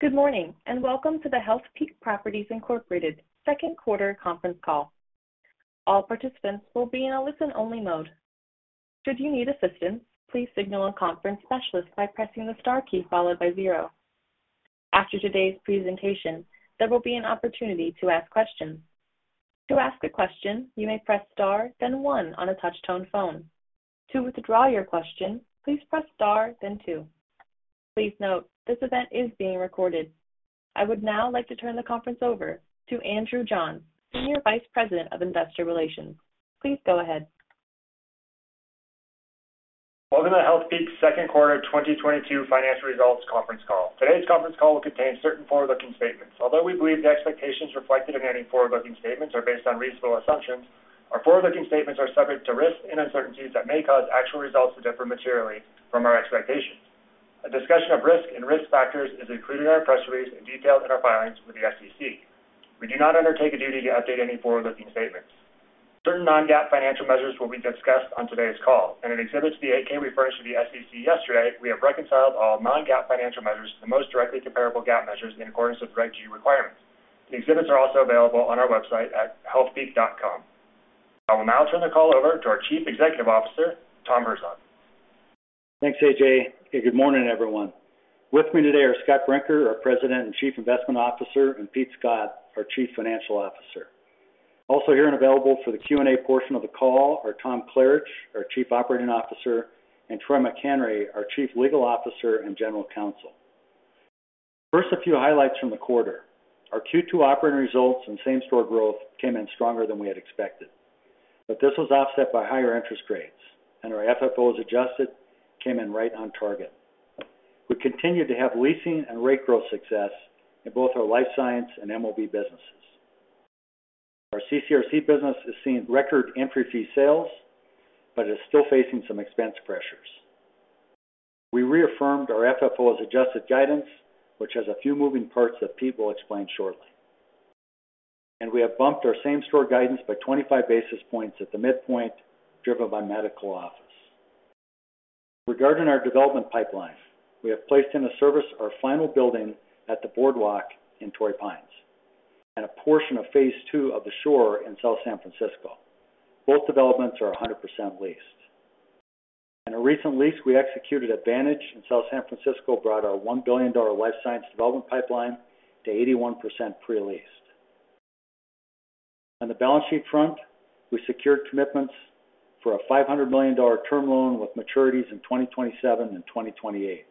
Good morning, and welcome to the Healthpeak Properties, Inc. Second Quarter Conference Call. All participants will be in a listen-only mode. Should you need assistance, please signal a conference specialist by pressing the star key followed by zero. After today's presentation, there will be an opportunity to ask questions. To ask a question, you may press Star, then one on a touch-tone phone. To withdraw your question, please press Star then two. Please note, this event is being recorded. I would now like to turn the conference over to Andrew Johns, Senior Vice President of Investor Relations. Please go ahead. Welcome to Healthpeak's second quarter 2022 financial results conference call. Today's conference call will contain certain forward-looking statements. Although we believe the expectations reflected in any forward-looking statements are based on reasonable assumptions, our forward-looking statements are subject to risks and uncertainties that may cause actual results to differ materially from our expectations. A discussion of risks and risk factors is included in our press release and detailed in our filings with the SEC. We do not undertake a duty to update any forward-looking statements. Certain non-GAAP financial measures will be discussed on today's call. In Exhibit 8-K we furnished to the SEC yesterday, we have reconciled all non-GAAP financial measures to the most directly comparable GAAP measures in accordance with Regulation G requirements. The exhibits are also available on our website at healthpeak.com. I will now turn the call over to our Chief Executive Officer, Tom Herzog. Thanks, AJ. Good morning, everyone. With me today are Scott Brinker, our President and Chief Investment Officer, and Pete Scott, our Chief Financial Officer. Also here and available for the Q&A portion of the call are Tom Klaritch, our Chief Operating Officer, and Troy McHenry, our Chief Legal Officer and General Counsel. First, a few highlights from the quarter. Our Q2 operating results and same-store growth came in stronger than we had expected, but this was offset by higher interest rates, and our adjusted FFOs came in right on target. We continued to have leasing and rate growth success in both our life science and MOB businesses. Our CCRC business is seeing record entry fee sales but is still facing some expense pressures. We reaffirmed our adjusted FFO guidance, which has a few moving parts that Pete will explain shortly. We have bumped our same-store guidance by 25 basis points at the midpoint, driven by medical office. Regarding our development pipeline, we have placed in service our final building at The Boardwalk in Torrey Pines, and a portion of phase two of The Shore in South San Francisco. Both developments are 100% leased. In a recent lease, we executed Vantage in South San Francisco, brought our $1 billion life science development pipeline to 81% pre-leased. On the balance sheet front, we secured commitments for a $500 million term loan with maturities in 2027 and 2028,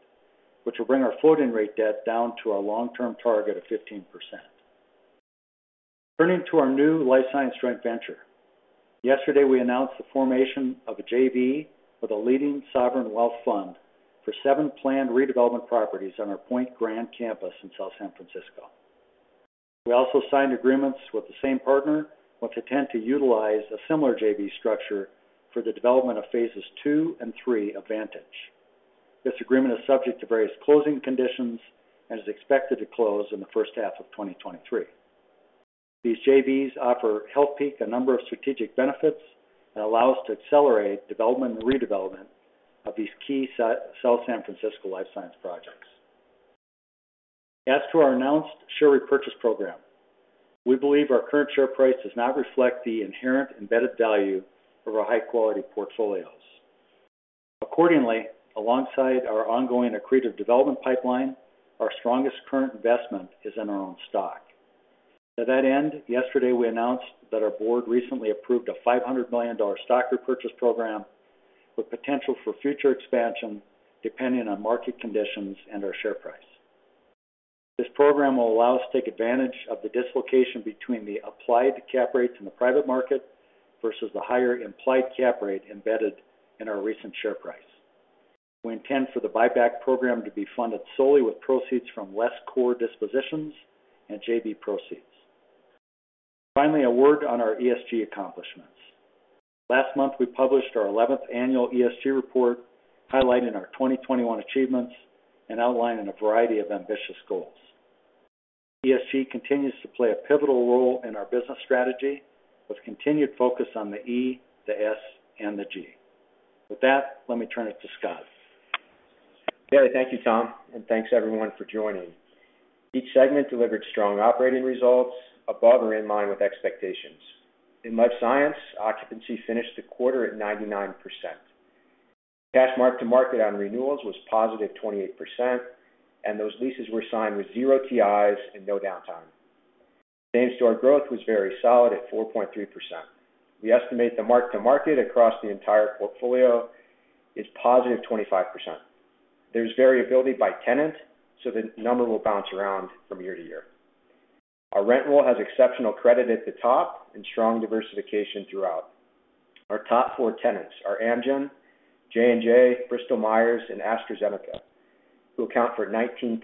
which will bring our floating rate debt down to our long-term target of 15%. Turning to our new life science joint venture. Yesterday, we announced the formation of a JV with a leading sovereign wealth fund for seven planned redevelopment properties on our Oyster Point campus in South San Francisco. We also signed agreements with the same partner, which intend to utilize a similar JV structure for the development of phases II and III of Vantage. This agreement is subject to various closing conditions and is expected to close in the first half of 2023. These JVs offer Healthpeak a number of strategic benefits and allow us to accelerate development and redevelopment of these key South San Francisco life science projects. As to our announced share repurchase program, we believe our current share price does not reflect the inherent embedded value of our high-quality portfolios. Accordingly, alongside our ongoing accretive development pipeline, our strongest current investment is in our own stock. To that end, yesterday, we announced that our board recently approved a $500 million stock repurchase program with potential for future expansion, depending on market conditions and our share price. This program will allow us to take advantage of the dislocation between the applied cap rates in the private market versus the higher implied cap rate embedded in our recent share price. We intend for the buyback program to be funded solely with proceeds from less core dispositions and JV proceeds. Finally, a word on our ESG accomplishments. Last month, we published our eleventh annual ESG report, highlighting our 2021 achievements and outlining a variety of ambitious goals. ESG continues to play a pivotal role in our business strategy with continued focus on the E, the S, and the G. With that, let me turn it to Scott. Okay. Thank you, Tom, and thanks everyone for joining. Each segment delivered strong operating results above or in line with expectations. In life science, occupancy finished the quarter at 99%. Cash mark-to-market on renewals was +28%, and those leases were signed with 0 TIs and no downtime. Same-store growth was very solid at 4.3%. We estimate the mark-to-market across the entire portfolio is +25%. There's variability by tenant, so the number will bounce around from year to year. Our rent roll has exceptional credit at the top and strong diversification throughout. Our top four tenants are Amgen, J&J, Bristol-Myers Squibb, and AstraZeneca, who account for 19%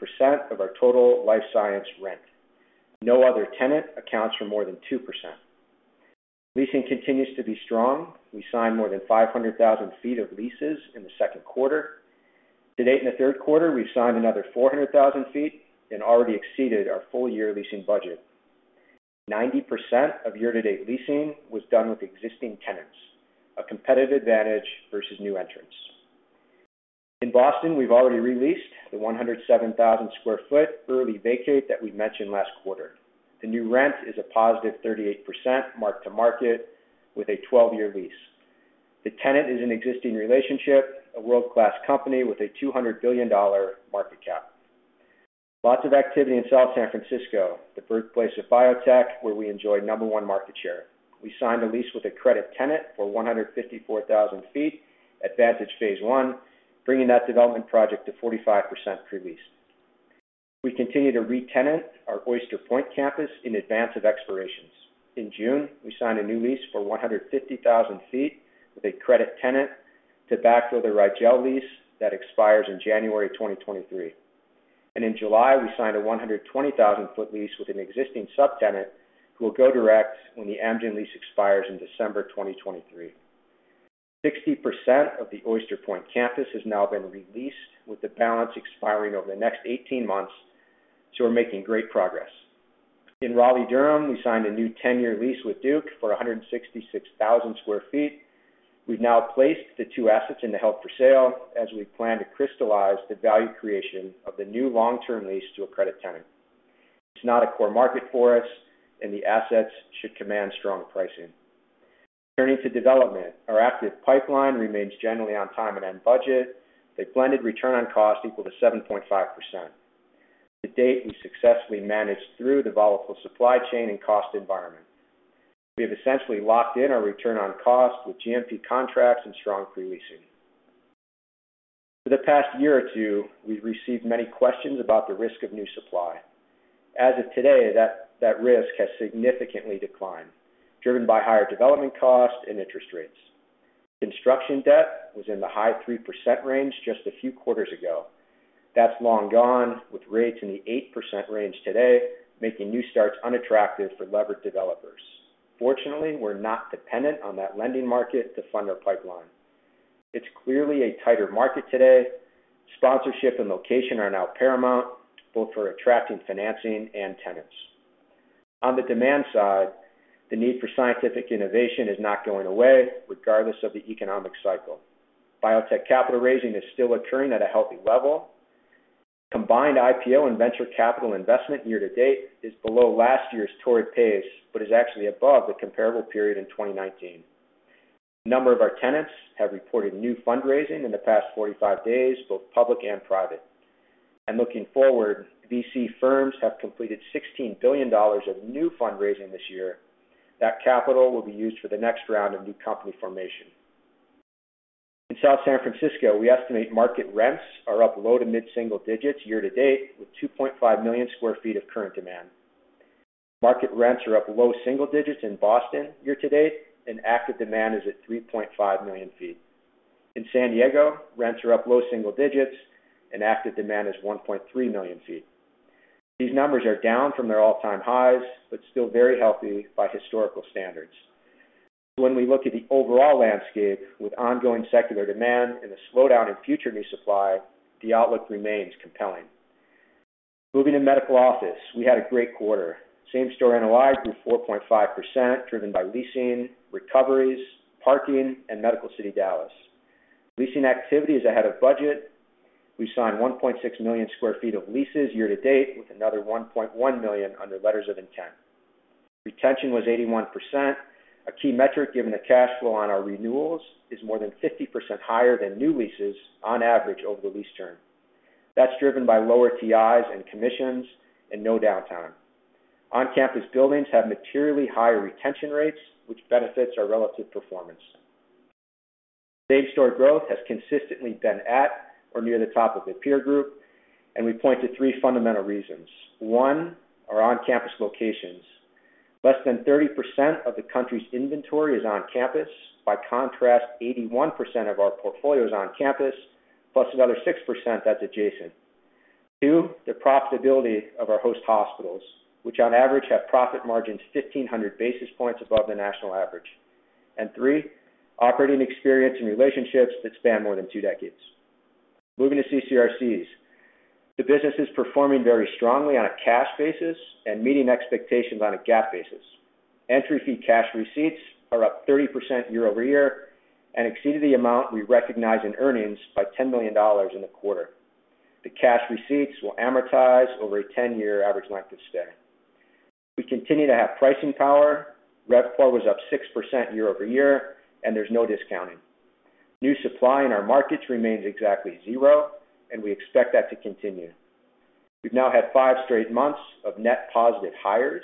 of our total life science rent. No other tenant accounts for more than 2%. Leasing continues to be strong. We signed more than 500,000 sq ft of leases in the second quarter. To date in the third quarter, we've signed another 400,000 sq ft and already exceeded our full-year leasing budget. 90% of year-to-date leasing was done with existing tenants, a competitive advantage versus new entrants. In Boston, we've already re-leased the 107,000 sq ft early vacate that we mentioned last quarter. The new rent is a positive 38% mark to market with a 12-year lease. The tenant is an existing relationship, a world-class company with a $200 billion market cap. Lots of activity in South San Francisco, the birthplace of biotech, where we enjoy number one market share. We signed a lease with a credit tenant for 154,000 sq ft at Vantage phase I, bringing that development project to 45% pre-lease. We continue to retenant our Oyster Point campus in advance of expirations. In June, we signed a new lease for 150,000 sq ft with a credit tenant to backfill the Rigel Pharmaceuticals lease that expires in January 2023. In July, we signed a 120,000 sq ft lease with an existing subtenant who will go direct when the Amgen lease expires in December 2023. 60% of the Oyster Point campus has now been re-leased with the balance expiring over the next 18 months, so we're making great progress. In Raleigh-Durham, we signed a new 10-year lease with Duke for 166,000 sq ft. We've now placed the two assets in the held for sale as we plan to crystallize the value creation of the new long-term lease to a credit tenant. It's not a core market for us, and the assets should command strong pricing. Turning to development, our active pipeline remains generally on time and on budget, a blended return on cost equal to 7.5%. To date, we successfully managed through the volatile supply chain and cost environment. We have essentially locked in our return on cost with GMP contracts and strong pre-leasing. For the past year or two, we've received many questions about the risk of new supply. As of today, that risk has significantly declined, driven by higher development costs and interest rates. Construction debt was in the high 3% range just a few quarters ago. That's long gone, with rates in the 8% range today, making new starts unattractive for levered developers. Fortunately, we're not dependent on that lending market to fund our pipeline. It's clearly a tighter market today. Sponsorship and location are now paramount, both for attracting financing and tenants. On the demand side, the need for scientific innovation is not going away, regardless of the economic cycle. Biotech capital raising is still occurring at a healthy level. Combined IPO and venture capital investment year to date is below last year's torrid pace, but is actually above the comparable period in 2019. A number of our tenants have reported new fundraising in the past 45 days, both public and private. Looking forward, VC firms have completed $16 billion of new fundraising this year. That capital will be used for the next round of new company formation. In South San Francisco, we estimate market rents are up low- to mid-single digits% year to date, with 2.5 million sq ft of current demand. Market rents are up low-single digits% in Boston year to date, and active demand is at 3.5 million sq ft. In San Diego, rents are up low single digits and active demand is 1.3 million sq ft. These numbers are down from their all-time highs, but still very healthy by historical standards. When we look at the overall landscape with ongoing secular demand and the slowdown in future new supply, the outlook remains compelling. Moving to medical office, we had a great quarter. Same-store NOI grew 4.5%, driven by leasing, recoveries, parking, and Medical City Dallas. Leasing activity is ahead of budget. We signed 1.6 million sq ft of leases year to date, with another 1.1 million under letters of intent. Retention was 81%. A key metric, given the cash flow on our renewals, is more than 50% higher than new leases on average over the lease term. That's driven by lower TIs and commissions and no downtime. On-campus buildings have materially higher retention rates, which benefits our relative performance. Same-store growth has consistently been at or near the top of the peer group, and we point to three fundamental reasons. One, our on-campus locations. Less than 30% of the country's inventory is on campus. By contrast, 81% of our portfolio is on campus, plus another 6% that's adjacent. Two, the profitability of our host hospitals, which on average have profit margins 1,500 basis points above the national average. Three, operating experience and relationships that span more than two decades. Moving to CCRCs. The business is performing very strongly on a cash basis and meeting expectations on a GAAP basis. Entry fee cash receipts are up 30% year-over-year and exceeded the amount we recognize in earnings by $10 million in the quarter. The cash receipts will amortize over a 10-year average length of stay. We continue to have pricing power. RevPAR was up 6% year-over-year, and there's no discounting. New supply in our markets remains exactly zero, and we expect that to continue. We've now had 5 straight months of net positive hires,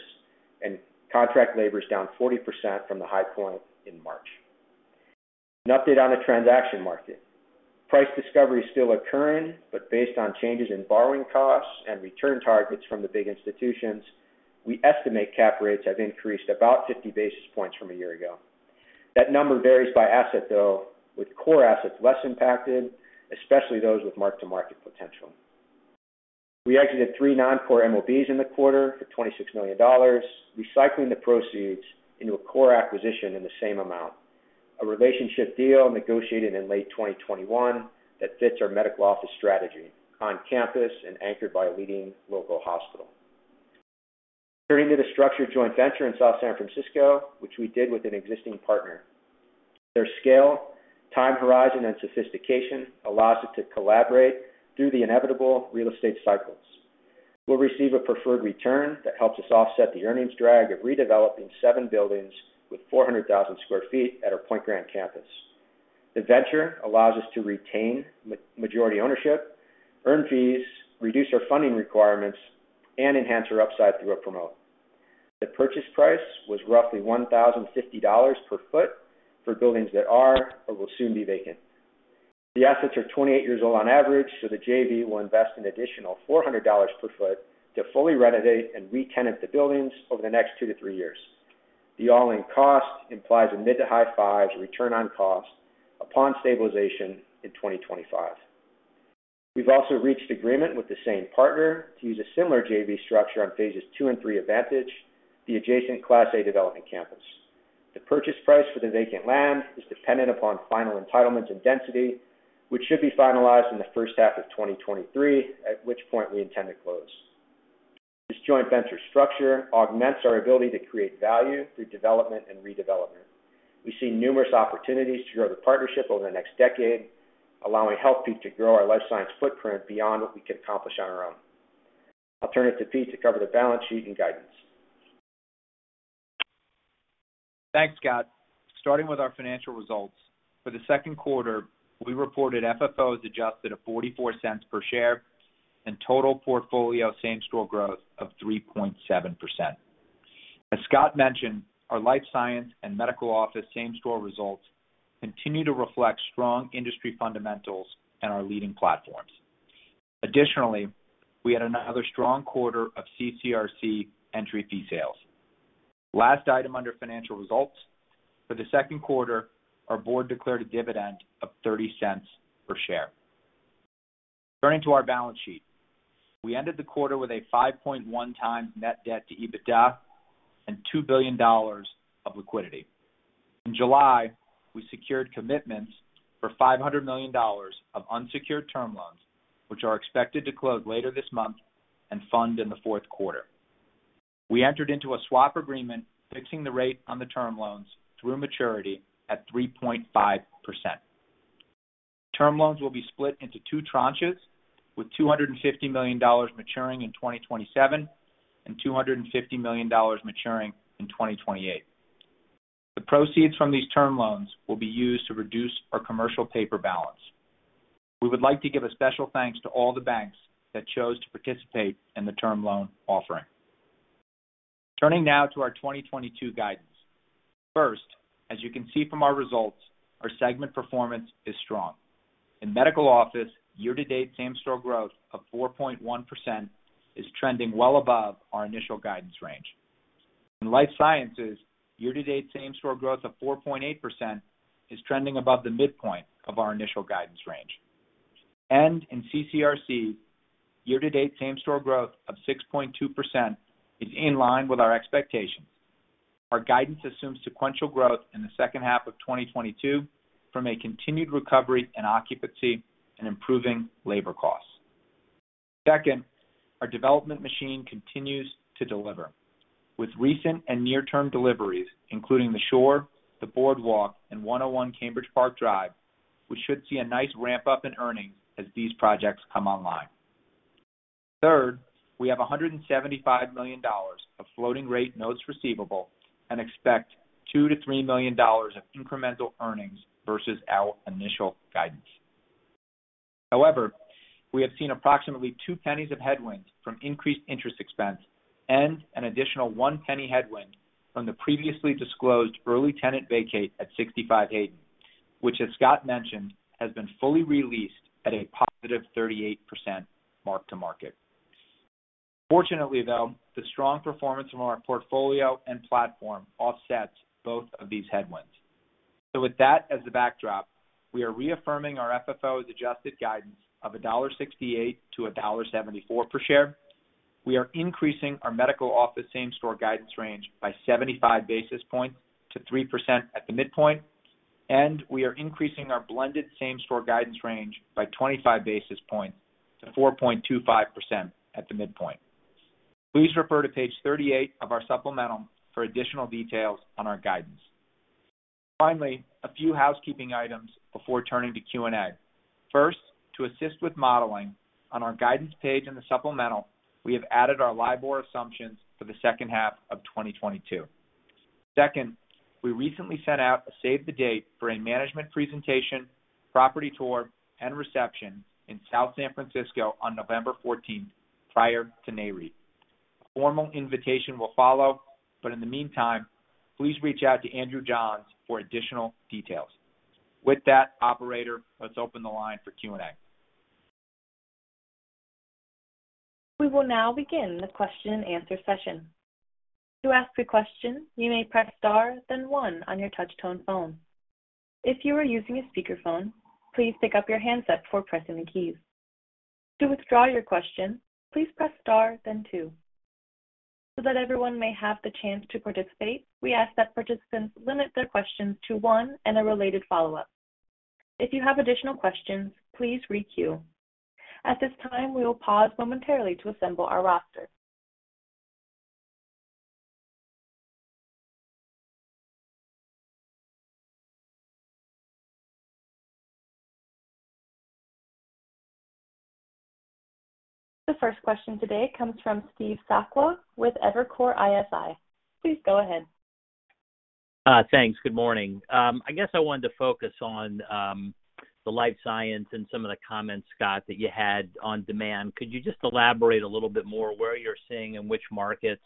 and contract labor is down 40% from the high point in March. An update on the transaction market. Price discovery is still occurring, but based on changes in borrowing costs and return targets from the big institutions, we estimate cap rates have increased about 50 basis points from a year ago. That number varies by asset though, with core assets less impacted, especially those with mark-to-market potential. We exited three non-core MOBs in the quarter for $26 million, recycling the proceeds into a core acquisition in the same amount. A relationship deal negotiated in late 2021 that fits our medical office strategy on campus and anchored by a leading local hospital. Turning to the structured joint venture in South San Francisco, which we did with an existing partner. Their scale, time horizon, and sophistication allows us to collaborate through the inevitable real estate cycles. We'll receive a preferred return that helps us offset the earnings drag of redeveloping seven buildings with 400,000 sq ft at our Point Grand campus. The venture allows us to retain majority ownership, earn fees, reduce our funding requirements, and enhance our upside through a promote. The purchase price was roughly $1,050 per sq ft for buildings that are or will soon be vacant. The assets are 28 years old on average, so the JV will invest an additional $400 per foot to fully renovate and retenant the buildings over the next two to three years. The all-in cost implies a mid- to high-fives return on cost upon stabilization in 2025. We've also reached agreement with the same partner to use a similar JV structure on phases II and III of Vantage, the adjacent class A development campus. The purchase price for the vacant land is dependent upon final entitlements and density, which should be finalized in the first half of 2023, at which point we intend to close. This joint venture structure augments our ability to create value through development and redevelopment. We see numerous opportunities to grow the partnership over the next decade, allowing Healthpeak to grow our life science footprint beyond what we can accomplish on our own. I'll turn it to Pete to cover the balance sheet and guidance. Thanks, Scott. Starting with our financial results. For the second quarter, we reported FFO as adjusted of $0.44 per share and total portfolio same-store growth of 3.7%. As Scott mentioned, our life science and medical office same-store results continue to reflect strong industry fundamentals and our leading platforms. Additionally, we had another strong quarter of CCRC entry fee sales. Last item under financial results. For the second quarter, our board declared a dividend of $0.30 per share. Turning to our balance sheet. We ended the quarter with a 5.1x net debt to EBITDA and $2 billion of liquidity. In July, we secured commitments for $500 million of unsecured term loans, which are expected to close later this month and fund in the fourth quarter. We entered into a swap agreement, fixing the rate on the term loans through maturity at 3.5%. Term loans will be split into two tranches, with $250 million maturing in 2027 and $250 million maturing in 2028. The proceeds from these term loans will be used to reduce our commercial paper balance. We would like to give a special thanks to all the banks that chose to participate in the term loan offering. Turning now to our 2022 guidance. First, as you can see from our results, our segment performance is strong. In medical office, year-to-date same-store growth of 4.1% is trending well above our initial guidance range. In life sciences, year-to-date same-store growth of 4.8% is trending above the midpoint of our initial guidance range. In CCRC, year-to-date same-store growth of 6.2% is in line with our expectations. Our guidance assumes sequential growth in the second half of 2022 from a continued recovery in occupancy and improving labor costs. Second, our development machine continues to deliver. With recent and near-term deliveries, including The Shore, The Boardwalk, and 101 Cambridge Park Drive, we should see a nice ramp-up in earnings as these projects come online. Third, we have $175 million of floating rate notes receivable and expect $2 million-$3 million of incremental earnings versus our initial guidance. However, we have seen approximately two pennies of headwinds from increased interest expense and an additional one penny headwind from the previously disclosed early tenant vacate at 65 Hayden, which, as Scott mentioned, has been fully re-leased at a positive 38% mark to market. Fortunately, though, the strong performance from our portfolio and platform offsets both of these headwinds. With that as the backdrop, we are reaffirming our FFO's adjusted guidance of $1.68-$1.74 per share. We are increasing our medical office same-store guidance range by 75 basis points to 3% at the midpoint, and we are increasing our blended same-store guidance range by 25 basis points to 4.25% at the midpoint. Please refer to page 38 of our supplemental for additional details on our guidance. Finally, a few housekeeping items before turning to Q&A. First, to assist with modeling on our guidance page in the supplemental, we have added our LIBOR assumptions for the second half of 2022. Second, we recently sent out a save the date for a management presentation, property tour, and reception in South San Francisco on November fourteenth, prior to Nareit. A formal invitation will follow, but in the meantime, please reach out to Andrew Johns for additional details. With that, operator, let's open the line for Q&A. We will now begin the question and answer session. To ask a question, you may press star, then one on your touch tone phone. If you are using a speakerphone, please pick up your handset before pressing the keys. To withdraw your question, please press star, then two. So that everyone may have the chance to participate, we ask that participants limit their questions to one and a related follow-up. If you have additional questions, please re-queue. At this time, we will pause momentarily to assemble our roster. The first question today comes from Steve Sakwa with Evercore ISI. Please go ahead. Thanks. Good morning. I guess I wanted to focus on the life science and some of the comments, Scott, that you had on demand. Could you just elaborate a little bit more where you're seeing in which markets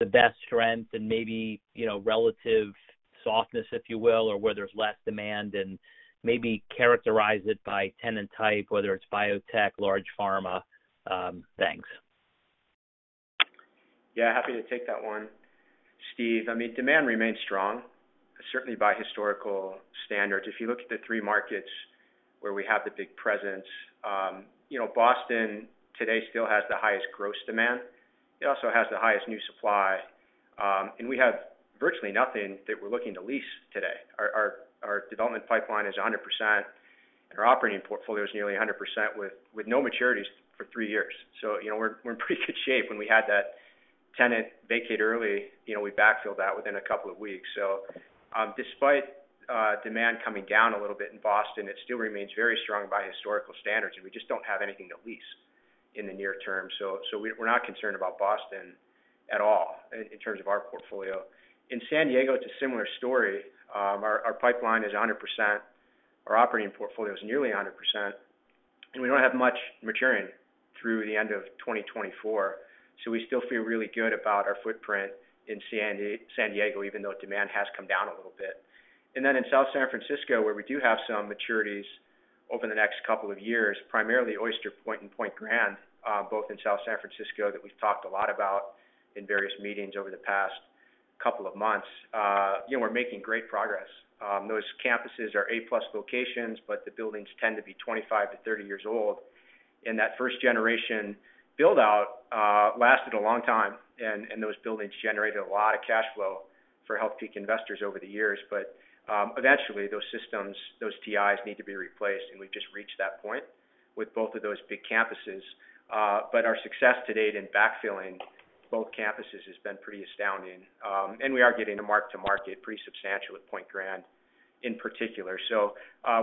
the best strengths and maybe, you know, relative softness, if you will, or where there's less demand, and maybe characterize it by tenant type, whether it's biotech, large pharma? Thanks. Yeah, happy to take that one, Steve. I mean, demand remains strong, certainly by historical standards. If you look at the three markets where we have the big presence, you know, Boston today still has the highest gross demand. It also has the highest new supply, and we have virtually nothing that we're looking to lease today. Our development pipeline is 100%, and our operating portfolio is nearly 100% with no maturities for three years. You know, we're in pretty good shape when we had that tenant vacate early. You know, we backfilled that within a couple of weeks. Despite demand coming down a little bit in Boston, it still remains very strong by historical standards, and we just don't have anything to lease in the near term. We're not concerned about Boston at all in terms of our portfolio. In San Diego, it's a similar story. Our pipeline is 100%. Our operating portfolio is nearly 100%, and we don't have much maturing through the end of 2024. We still feel really good about our footprint in San Diego, even though demand has come down a little bit. In South San Francisco, where we do have some maturities over the next couple of years, primarily Oyster Point and Point Grand, both in South San Francisco that we've talked a lot about in various meetings over the past couple of months. You know, we're making great progress. Those campuses are A-plus locations, but the buildings tend to be 25-30 years old. That first generation build out lasted a long time. Those buildings generated a lot of cash flow for Healthpeak investors over the years. Eventually those systems, those TIs need to be replaced, and we've just reached that point with both of those big campuses. Our success to date in backfilling both campuses has been pretty astounding. We are getting to mark-to-market pretty substantial at Oyster Point in particular.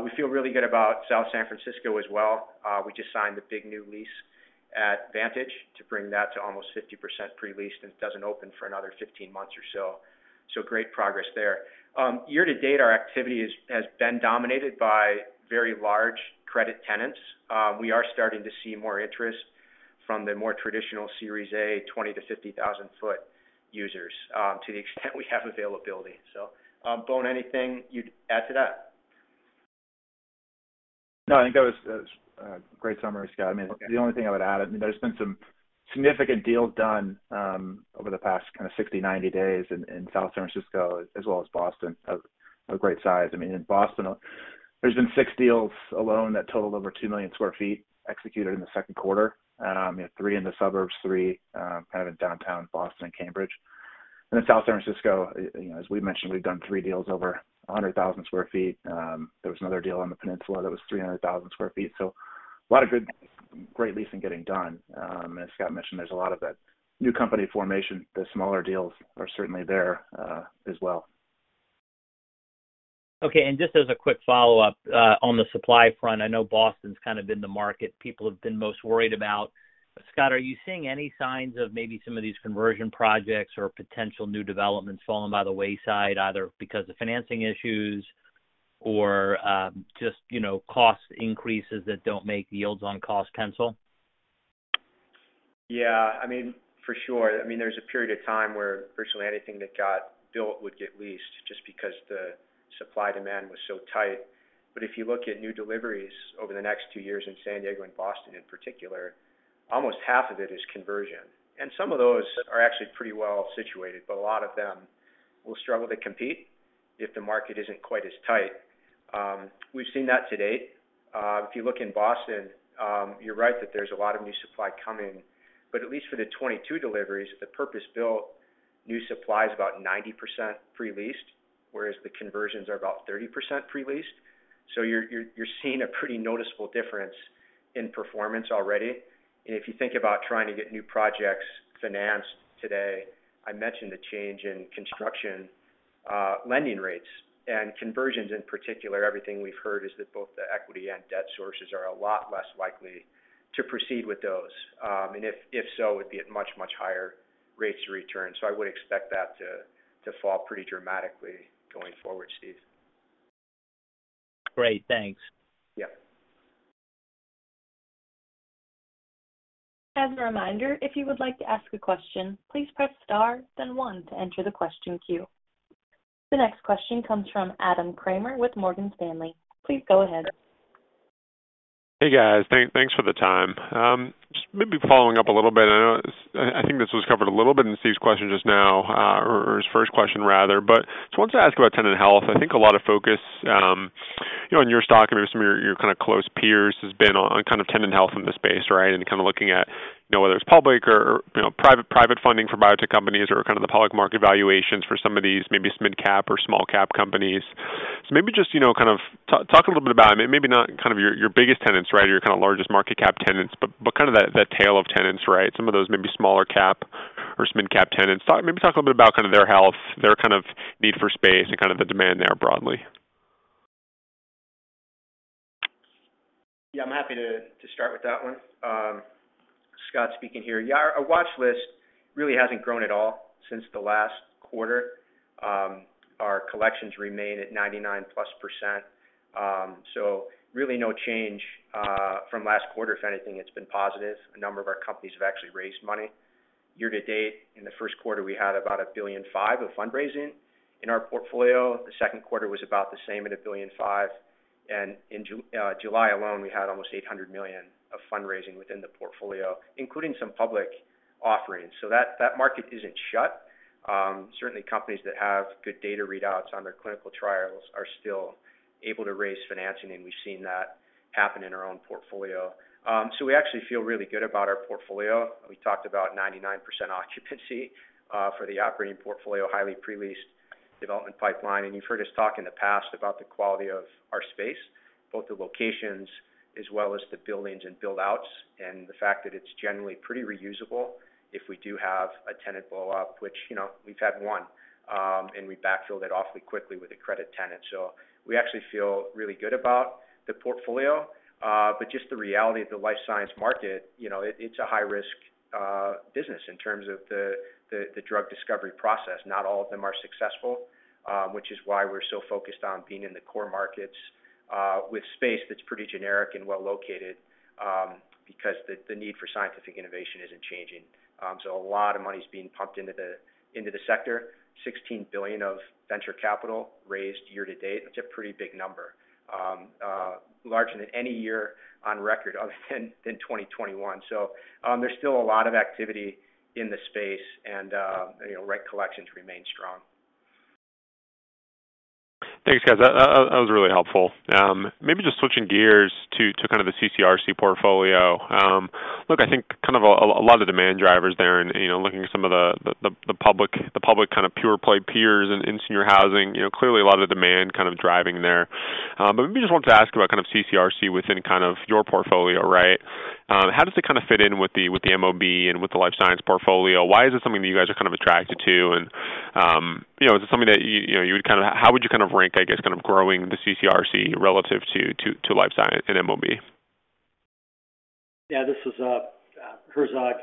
We feel really good about South San Francisco as well. We just signed the big new lease at Vantage to bring that to almost 50% pre-leased, and it doesn't open for another 15 months or so. Great progress there. Year to date, our activity has been dominated by very large credit tenants. We are starting to see more interest from the more traditional Series A, 20,000 to 50,000 sq ft users, to the extent we have availability. Bohn, anything you'd add to that? No, I think that was a great summary, Scott. I mean. Okay. The only thing I would add, I mean, there's been some significant deals done over the past kinda 60, 90 days in South San Francisco as well as Boston of great size. I mean, in Boston, there's been six Francisco, you know, as we mentioned, we've done three deals over 100,000 sq ft. There was another deal on the peninsula that was 300,000 sq ft. A lot of good, great leasing getting done. As Scott mentioned, there's a lot of that new company formation. The smaller deals are certainly there as well. Okay. Just as a quick follow-up, on the supply front, I know Boston's kind of been the market people have been most worried about. Scott, are you seeing any signs of maybe some of these conversion projects or potential new developments fallen by the wayside, either because of financing issues or, just, you know, cost increases that don't make the yields on cost pencil? Yeah, I mean, for sure. I mean, there's a period of time where virtually anything that got built would get leased just because the supply-demand was so tight. But if you look at new deliveries over the next two years in San Diego and Boston in particular, almost half of it is conversion. And some of those are actually pretty well situated, but a lot of them will struggle to compete if the market isn't quite as tight. We've seen that to date. If you look in Boston, you're right that there's a lot of new supply coming, but at least for the 2022 deliveries, the purpose-built new supply is about 90% pre-leased, whereas the conversions are about 30% pre-leased. You're seeing a pretty noticeable difference in performance already. If you think about trying to get new projects financed today, I mentioned the change in construction lending rates and conversions in particular. Everything we've heard is that both the equity and debt sources are a lot less likely to proceed with those. If so, it would be at much, much higher rates of return. I would expect that to fall pretty dramatically going forward, Steve. Great. Thanks. Yeah. As a reminder, if you would like to ask a question, please press star then one to enter the question queue. The next question comes from Adam Kramer with Morgan Stanley. Please go ahead. Hey, guys. Thanks for the time. Just maybe following up a little bit. I think this was covered a little bit in Steve's question just now, or his first question rather. Just wanted to ask about tenant health. I think a lot of focus, you know, in your stock, maybe some of your kind of close peers has been on kind of tenant health in the space, right? Kind of looking at, you know, whether it's public or you know, private funding for biotech companies or kind of the public market valuations for some of these maybe mid-cap or small-cap companies. Maybe just, you know, kind of talk a little bit about, I mean, maybe not kind of your biggest tenants, right, or your kind of largest market cap tenants, but kind of that tail of tenants, right? Some of those maybe smaller cap or mid-cap tenants. Maybe talk a little bit about kind of their health, their kind of need for space and kind of the demand there broadly. Yeah, I'm happy to start with that one. Scott speaking here. Yeah, our watch list really hasn't grown at all since the last quarter. Our collections remain at 99%+. Really no change from last quarter. If anything, it's been positive. A number of our companies have actually raised money. Year to date, in the first quarter, we had about $1.5 billion of fundraising in our portfolio. The second quarter was about the same at $1.5 billion. In July alone, we had almost $800 million of fundraising within the portfolio, including some public offerings. That market isn't shut. Certainly companies that have good data readouts on their clinical trials are still able to raise financing, and we've seen that happen in our own portfolio. We actually feel really good about our portfolio. We talked about 99% occupancy for the operating portfolio, highly pre-leased development pipeline. You've heard us talk in the past about the quality of our space, both the locations as well as the buildings and build-outs, and the fact that it's generally pretty reusable if we do have a tenant blowup, which, you know, we've had one, and we backfilled it awfully quickly with a credit tenant. We actually feel really good about the portfolio. Just the reality of the life science market, you know, it's a high risk business in terms of the drug discovery process. Not all of them are successful, which is why we're so focused on being in the core markets with space that's pretty generic and well located, because the need for scientific innovation isn't changing. A lot of money is being pumped into the sector. $16 billion of venture capital raised year to date. That's a pretty big number, larger than any year on record other than 2021. There's still a lot of activity in the space and, you know, rent collections remain strong. Thanks, guys. That was really helpful. Maybe just switching gears to kind of the CCRC portfolio. Look, I think kind of a lot of demand drivers there and, you know, looking at some of the public kind of pure play peers in senior housing, you know, clearly a lot of the demand kind of driving there. But maybe just wanted to ask about kind of CCRC within kind of your portfolio, right? How does it kind of fit in with the MOB and with the life science portfolio? Why is it something that you guys are kind of attracted to? You know, how would you kind of rank, I guess, kind of growing the CCRC relative to life science and MOB? This is Herzog.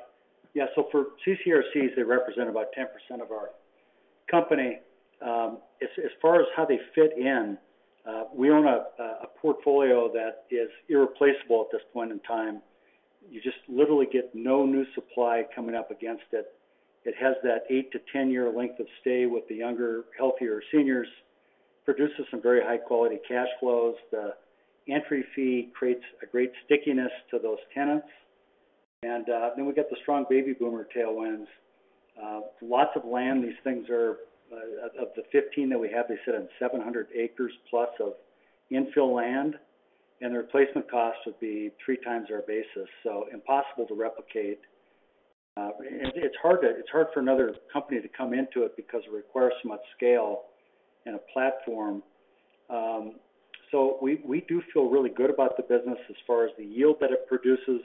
For CCRCs, they represent about 10% of our company. As far as how they fit in, we own a portfolio that is irreplaceable at this point in time. You just literally get no new supply coming up against it. It has that 8-10-year length of stay with the younger, healthier seniors, produces some very high quality cash flows. The entry fee creates a great stickiness to those tenants. We've got the strong baby boomer tailwinds. Lots of land. These things are of the 15 that we have, they sit on 700 acres plus of infill land, and the replacement cost would be three times our basis, so impossible to replicate. It's hard for another company to come into it because it requires so much scale and a platform. So we do feel really good about the business as far as the yield that it produces.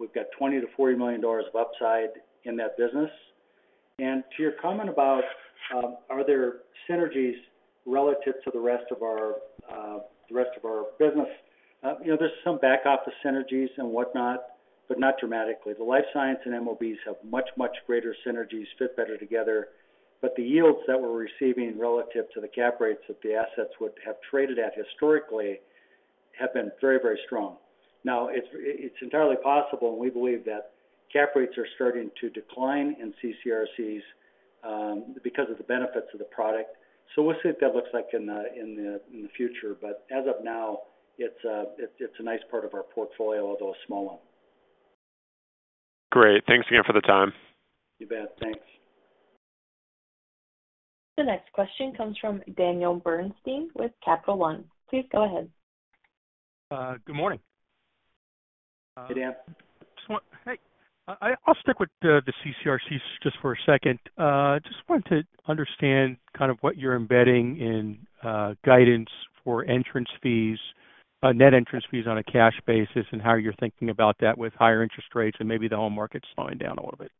We've got $20 million-$40 million of upside in that business. To your comment about, are there synergies relative to the rest of our business, you know, there's some back office synergies and whatnot, but not dramatically. The life science and MOBs have much, much greater synergies, fit better together. The yields that we're receiving relative to the cap rates that the assets would have traded at historically have been very, very strong. Now, it's entirely possible, and we believe that cap rates are starting to decline in CCRCs because of the benefits of the product. We'll see what that looks like in the future. As of now, it's a nice part of our portfolio, although a small one. Great. Thanks again for the time. You bet. Thanks. The next question comes from Daniel Bernstein with Capital One. Please go ahead. Good morning. Hey, Dan. Hey, I'll stick with the CCRCs just for a second. Just wanted to understand kind of what you're embedding in guidance for entrance fees, net entrance fees on a cash basis, and how you're thinking about that with higher interest rates and maybe the home market slowing down a little bit.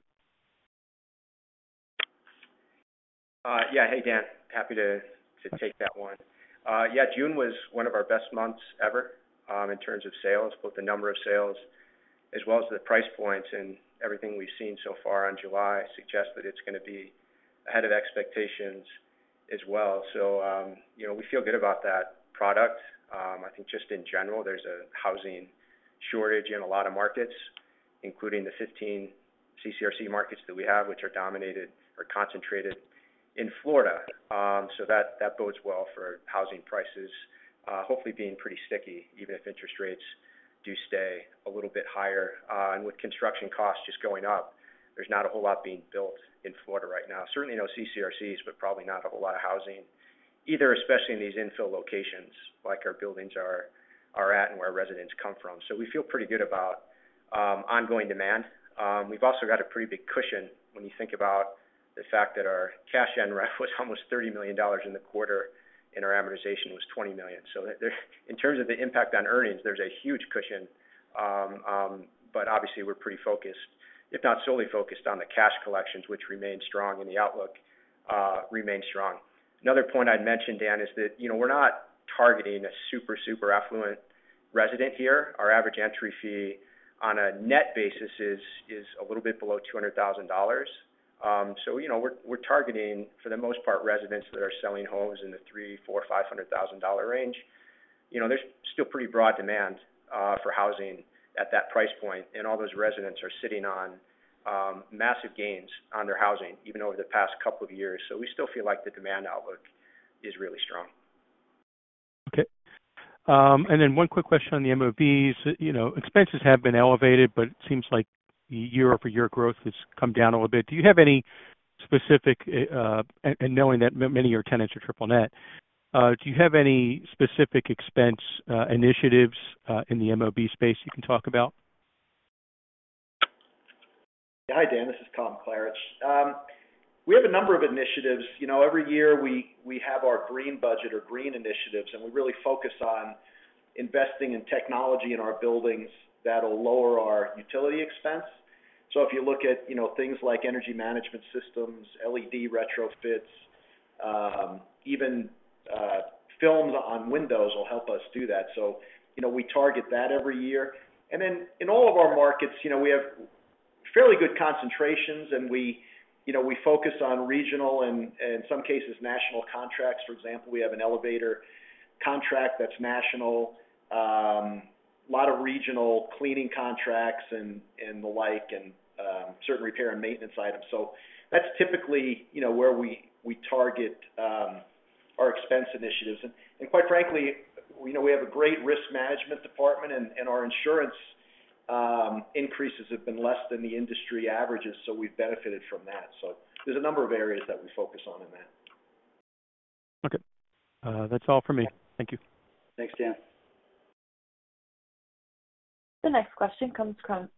Hey, Dan. Happy to take that one. Yeah, June was one of our best months ever, in terms of sales, both the number of sales as well as the price points, and everything we've seen so far on July suggests that it's gonna be ahead of expectations as well. You know, we feel good about that product. I think just in general, there's a housing shortage in a lot of markets, including the 15 CCRC markets that we have, which are dominated or concentrated in Florida. That bodes well for housing prices, hopefully being pretty sticky, even if interest rates. Demand stays a little bit higher. With construction costs just going up, there's not a whole lot being built in Florida right now. Certainly, no CCRCs, but probably not a whole lot of housing either, especially in these infill locations like our buildings are at and where residents come from. We feel pretty good about ongoing demand. We've also got a pretty big cushion when you think about the fact that our cash gen ref was almost $30 million in the quarter, and our amortization was $20 million. In terms of the impact on earnings, there's a huge cushion. But obviously we're pretty focused, if not solely focused on the cash collections, which remain strong and the outlook remains strong. Another point I'd mention, Dan, is that we're not targeting a super affluent resident here. Our average entry fee on a net basis is a little bit below $200,000. You know, we're targeting, for the most part, residents that are selling homes in the $300,000-$500,000 range. You know, there's still pretty broad demand for housing at that price point, and all those residents are sitting on massive gains on their housing even over the past couple of years. We still feel like the demand outlook is really strong. Okay. One quick question on the MOBs. You know, expenses have been elevated, but it seems like year-over-year growth has come down a little bit. Do you have any specific, and knowing that many of your tenants are triple net, do you have any specific expense initiatives in the MOB space you can talk about? Hi, Dan, this is Tom Klaritch. We have a number of initiatives. You know, every year we have our green budget or green initiatives, and we really focus on investing in technology in our buildings that'll lower our utility expense. If you look at, you know, things like energy management systems, LED retrofits, even films on windows will help us do that. You know, we target that every year. In all of our markets, you know, we have fairly good concentrations, and we focus on regional and some cases, national contracts. For example, we have an elevator contract that's national, lot of regional cleaning contracts and the like, and certain repair and maintenance items. That's typically, you know, where we target our expense initiatives. Quite frankly, you know, we have a great risk management department, and our insurance increases have been less than the industry averages, so we've benefited from that. There's a number of areas that we focus on in that. Okay. That's all for me. Thank you. Thanks, Dan. The next question comes from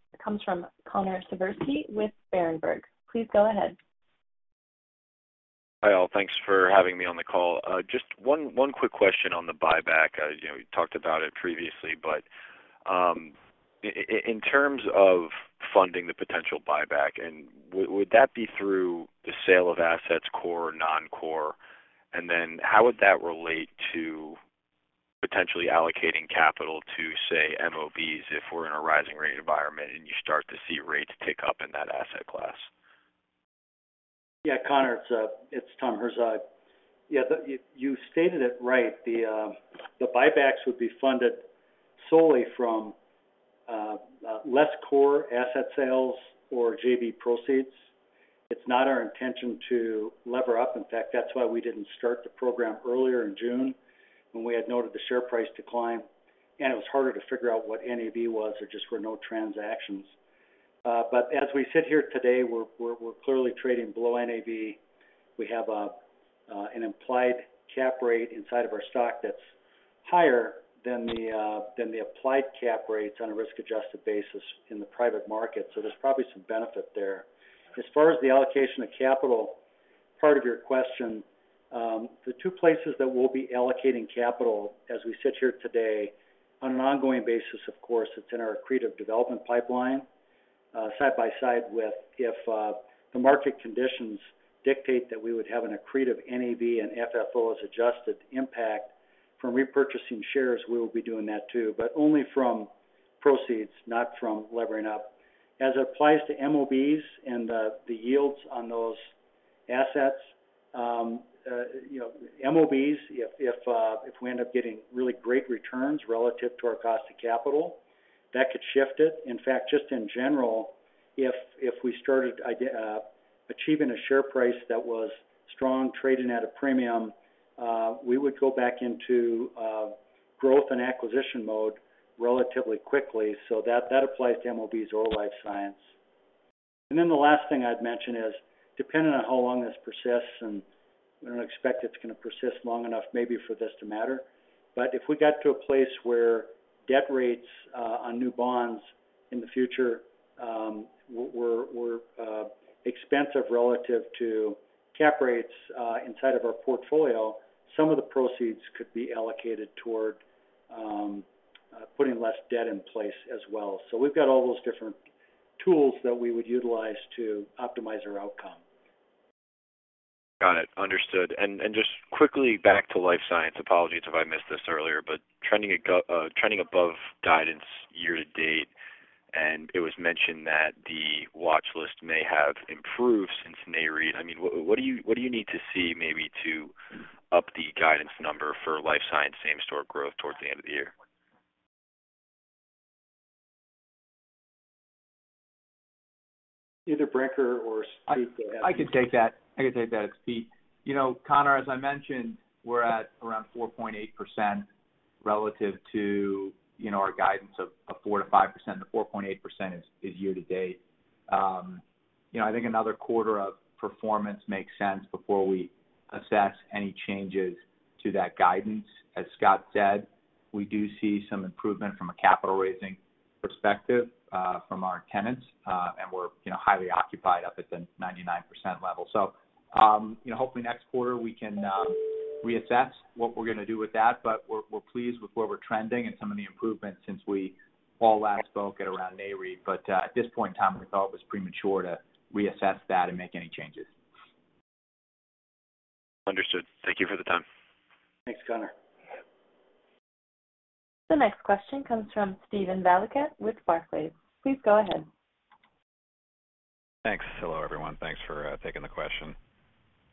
Connor Siversky with Berenberg. Please go ahead. Hi, all. Thanks for having me on the call. Just one quick question on the buyback. You know, you talked about it previously, but in terms of funding the potential buyback, would that be through the sale of assets, core or non-core? Then how would that relate to potentially allocating capital to, say, MOBs if we're in a rising rate environment and you start to see rates tick up in that asset class? Yeah. Connor, it's Tom Herzog. Yeah, you stated it right. The buybacks would be funded solely from non-core asset sales or JV proceeds. It's not our intention to lever up. In fact, that's why we didn't start the program earlier in June when we had noted the share price decline, and it was harder to figure out what NAV was. There just were no transactions. As we sit here today, we're clearly trading below NAV. We have an implied cap rate inside of our stock that's higher than the implied cap rates on a risk-adjusted basis in the private market. So there's probably some benefit there. As far as the allocation of capital, part of your question, the two places that we'll be allocating capital as we sit here today on an ongoing basis, of course, it's in our accretive development pipeline, side by side with if the market conditions dictate that we would have an accretive NAV and FFO as adjusted impact from repurchasing shares, we will be doing that too, but only from proceeds, not from levering up. As it applies to MOBs and the yields on those assets, you know, MOBs, if we end up getting really great returns relative to our cost of capital, that could shift it. In fact, just in general, if we started achieving a share price that was strong, trading at a premium, we would go back into growth and acquisition mode relatively quickly. That applies to MOBs or life science. The last thing I'd mention is, depending on how long this persists, and we don't expect it's gonna persist long enough maybe for this to matter, but if we got to a place where debt rates on new bonds in the future were expensive relative to cap rates inside of our portfolio, some of the proceeds could be allocated toward putting less debt in place as well. We've got all those different tools that we would utilize to optimize our outcome. Got it. Understood. Just quickly back to life science. Apologies if I missed this earlier, but trending above guidance year to date, and it was mentioned that the watch list may have improved since May read. I mean, what do you need to see maybe to up the guidance number for life science same-store growth towards the end of the year? Either Brinker or Steve, go ahead. I can take that, it's Steve. You know, Connor, as I mentioned, we're at around 4.8% relative to, you know, our guidance of 4% to 5%. The 4.8% is year to date. You know, I think another quarter of performance makes sense before we assess any changes to that guidance. As Scott said, we do see some improvement from a capital raising perspective from our tenants. And we're, you know, highly occupied up at the 99% level. You know, hopefully next quarter we can reassess what we're gonna do with that, but we're pleased with where we're trending and some of the improvements since we all last spoke at around Nareit. At this point in time, we thought it was premature to reassess that and make any changes. Understood. Thank you for the time. Thanks, Connor. The next question comes from Steven Valiquette with Barclays. Please go ahead. Thanks. Hello, everyone. Thanks for taking the question.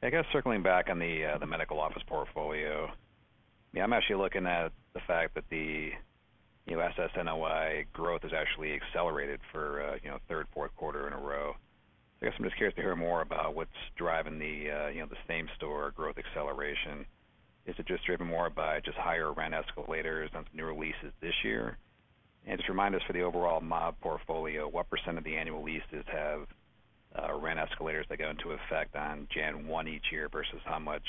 I guess circling back on the medical office portfolio. Yeah, I'm actually looking at the fact that the you know SSNOI growth has actually accelerated for you know third fourth quarter in a row. I guess I'm just curious to hear more about what's driving the you know the same store growth acceleration. Is it just driven more by just higher rent escalators on new leases this year? Just remind us for the overall MOB portfolio, what percent of the annual leases have rent escalators that go into effect on January 1 each year versus how much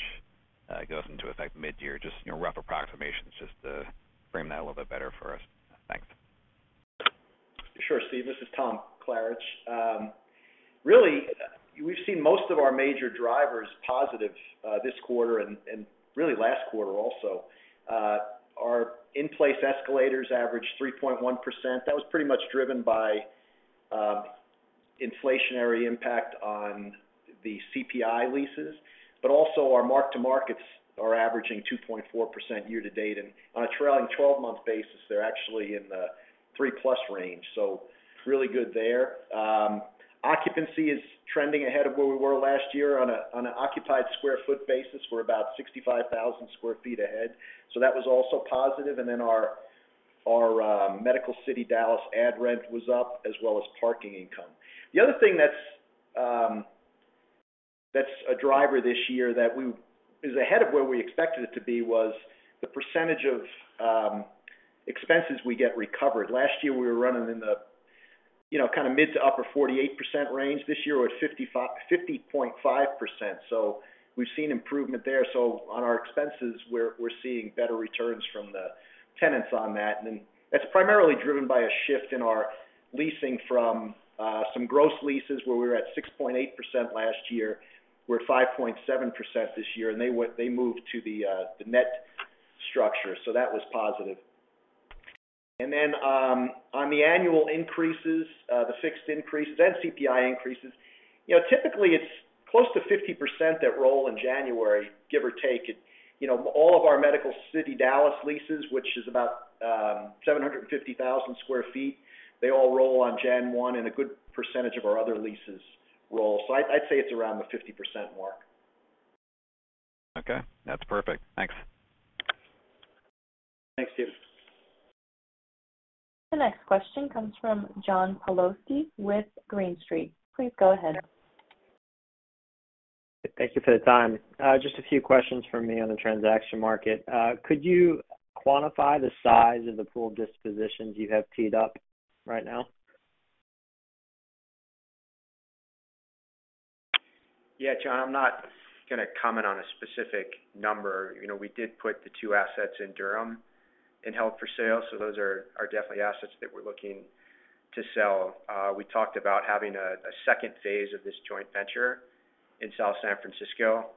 goes into effect mid-year? Just you know rough approximations just to frame that a little bit better for us. Thanks. Sure, Steve. This is Tom Klarich. Really, we've seen most of our major drivers positive this quarter and really last quarter also. Our in-place escalators averaged 3.1%. That was pretty much driven by inflationary impact on the CPI leases. But also our mark-to-markets are averaging 2.4% year to date. And on a trailing 12-month basis, they're actually in the 3%+ range. So really good there. Occupancy is trending ahead of where we were last year. On an occupied square foot basis, we're about 65,000 sq ft ahead. So that was also positive. And then our Medical City Dallas at rent was up, as well as parking income. The other thing that's a driver this year that is ahead of where we expected it to be was the percentage of expenses we get recovered. Last year, we were running in the, you know, kind of mid- to upper 48% range. This year, we're at 50.5%. We've seen improvement there. On our expenses, we're seeing better returns from the tenants on that. That's primarily driven by a shift in our leasing from some gross leases where we were at 6.8% last year. We're at 5.7% this year, and they moved to the net structure. That was positive. On the annual increases, the fixed increases and CPI increases, you know, typically it's close to 50% that roll in January, give or take. You know, all of our Medical City Dallas leases, which is about 750,000 sq ft, they all roll on January 1, and a good percentage of our other leases roll. I'd say it's around the 50% mark. Okay, that's perfect. Thanks. Thanks, Steve. The next question comes from John Pawlowski with Green Street. Please go ahead. Thank you for the time. Just a few questions from me on the transaction market. Could you quantify the size of the pool dispositions you have teed up right now? Yeah, John, I'm not gonna comment on a specific number. You know, we did put the two assets in Durham in held for sale, so those are definitely assets that we're looking to sell. We talked about having a second phase of this joint venture in South San Francisco.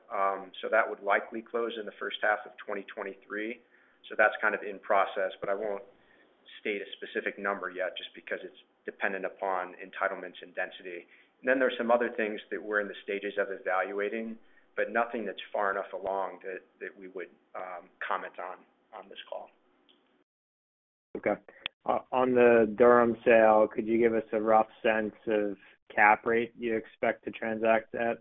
So that would likely close in the first half of 2023. So that's kind of in process, but I won't state a specific number yet just because it's dependent upon entitlements and density. There are some other things that we're in the stages of evaluating, but nothing that's far enough along that we would comment on this call. Okay. On the Durham sale, could you give us a rough sense of cap rate you expect to transact at?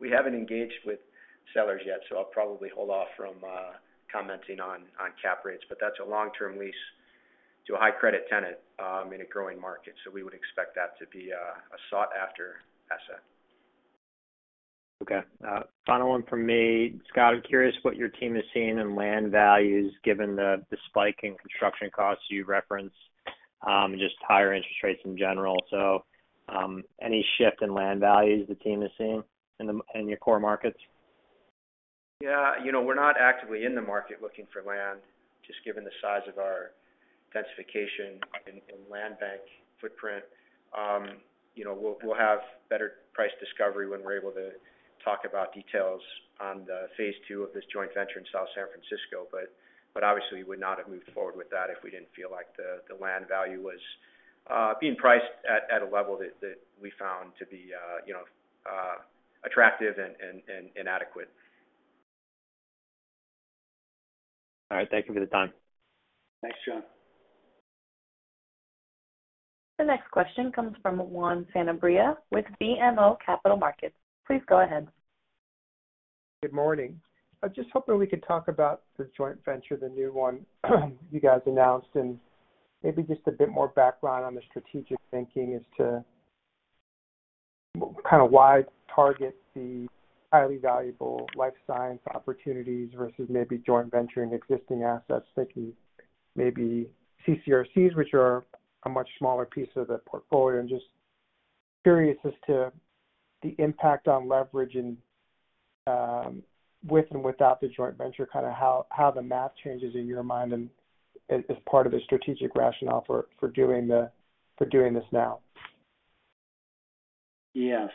We haven't engaged with sellers yet, so I'll probably hold off from commenting on cap rates. That's a long-term lease to a high credit tenant in a growing market. We would expect that to be a sought-after asset. Okay. Final one from me. Scott, I'm curious what your team is seeing in land values given the spike in construction costs you referenced, and just higher interest rates in general. Any shift in land values the team is seeing in your core markets? Yeah. You know, we're not actively in the market looking for land, just given the size of our densification and land bank footprint. You know, we'll have better price discovery when we're able to talk about details on the phase two of this joint venture in South San Francisco. But obviously, we would not have moved forward with that if we didn't feel like the land value was being priced at a level that we found to be, you know, attractive and adequate. All right. Thank you for the time. Thanks, John. The next question comes from Juan Sanabria with BMO Capital Markets. Please go ahead. Good morning. I was just hoping we could talk about the joint venture, the new one you guys announced, and maybe just a bit more background on the strategic thinking as to kind of why target the highly valuable life science opportunities versus maybe joint venturing existing assets, thinking maybe CCRCs, which are a much smaller piece of the portfolio. Just curious as to the impact on leverage and, with and without the joint venture, kind of how the math changes in your mind and as part of the strategic rationale for doing this now. Yes.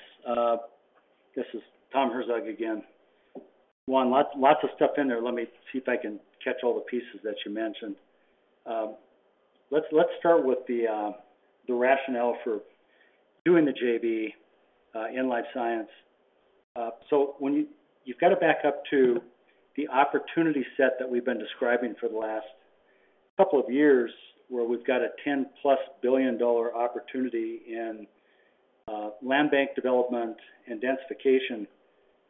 This is Tom Herzog again. Juan, lots of stuff in there. Let me see if I can catch all the pieces that you mentioned. Let's start with the rationale for doing the JV in life science. So when you've got to back up to the opportunity set that we've been describing for the last couple of years, where we've got a $10+ billion opportunity in land bank development and densification.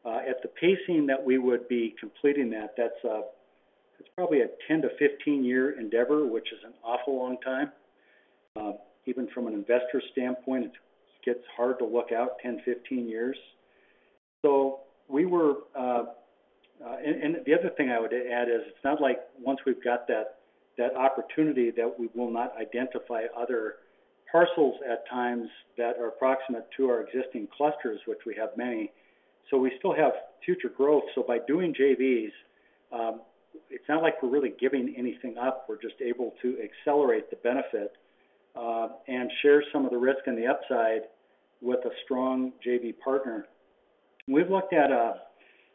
At the pacing that we would be completing that's, it's probably a 10- to 15-year endeavor, which is an awful long time. Even from an investor standpoint, it gets hard to look out 10, 15 years. So we were... The other thing I would add is it's not like once we've got that opportunity that we will not identify other parcels at times that are approximate to our existing clusters, which we have many. We still have future growth. By doing JVs, it's not like we're really giving anything up. We're just able to accelerate the benefit, and share some of the risk and the upside with a strong JV partner. We've looked at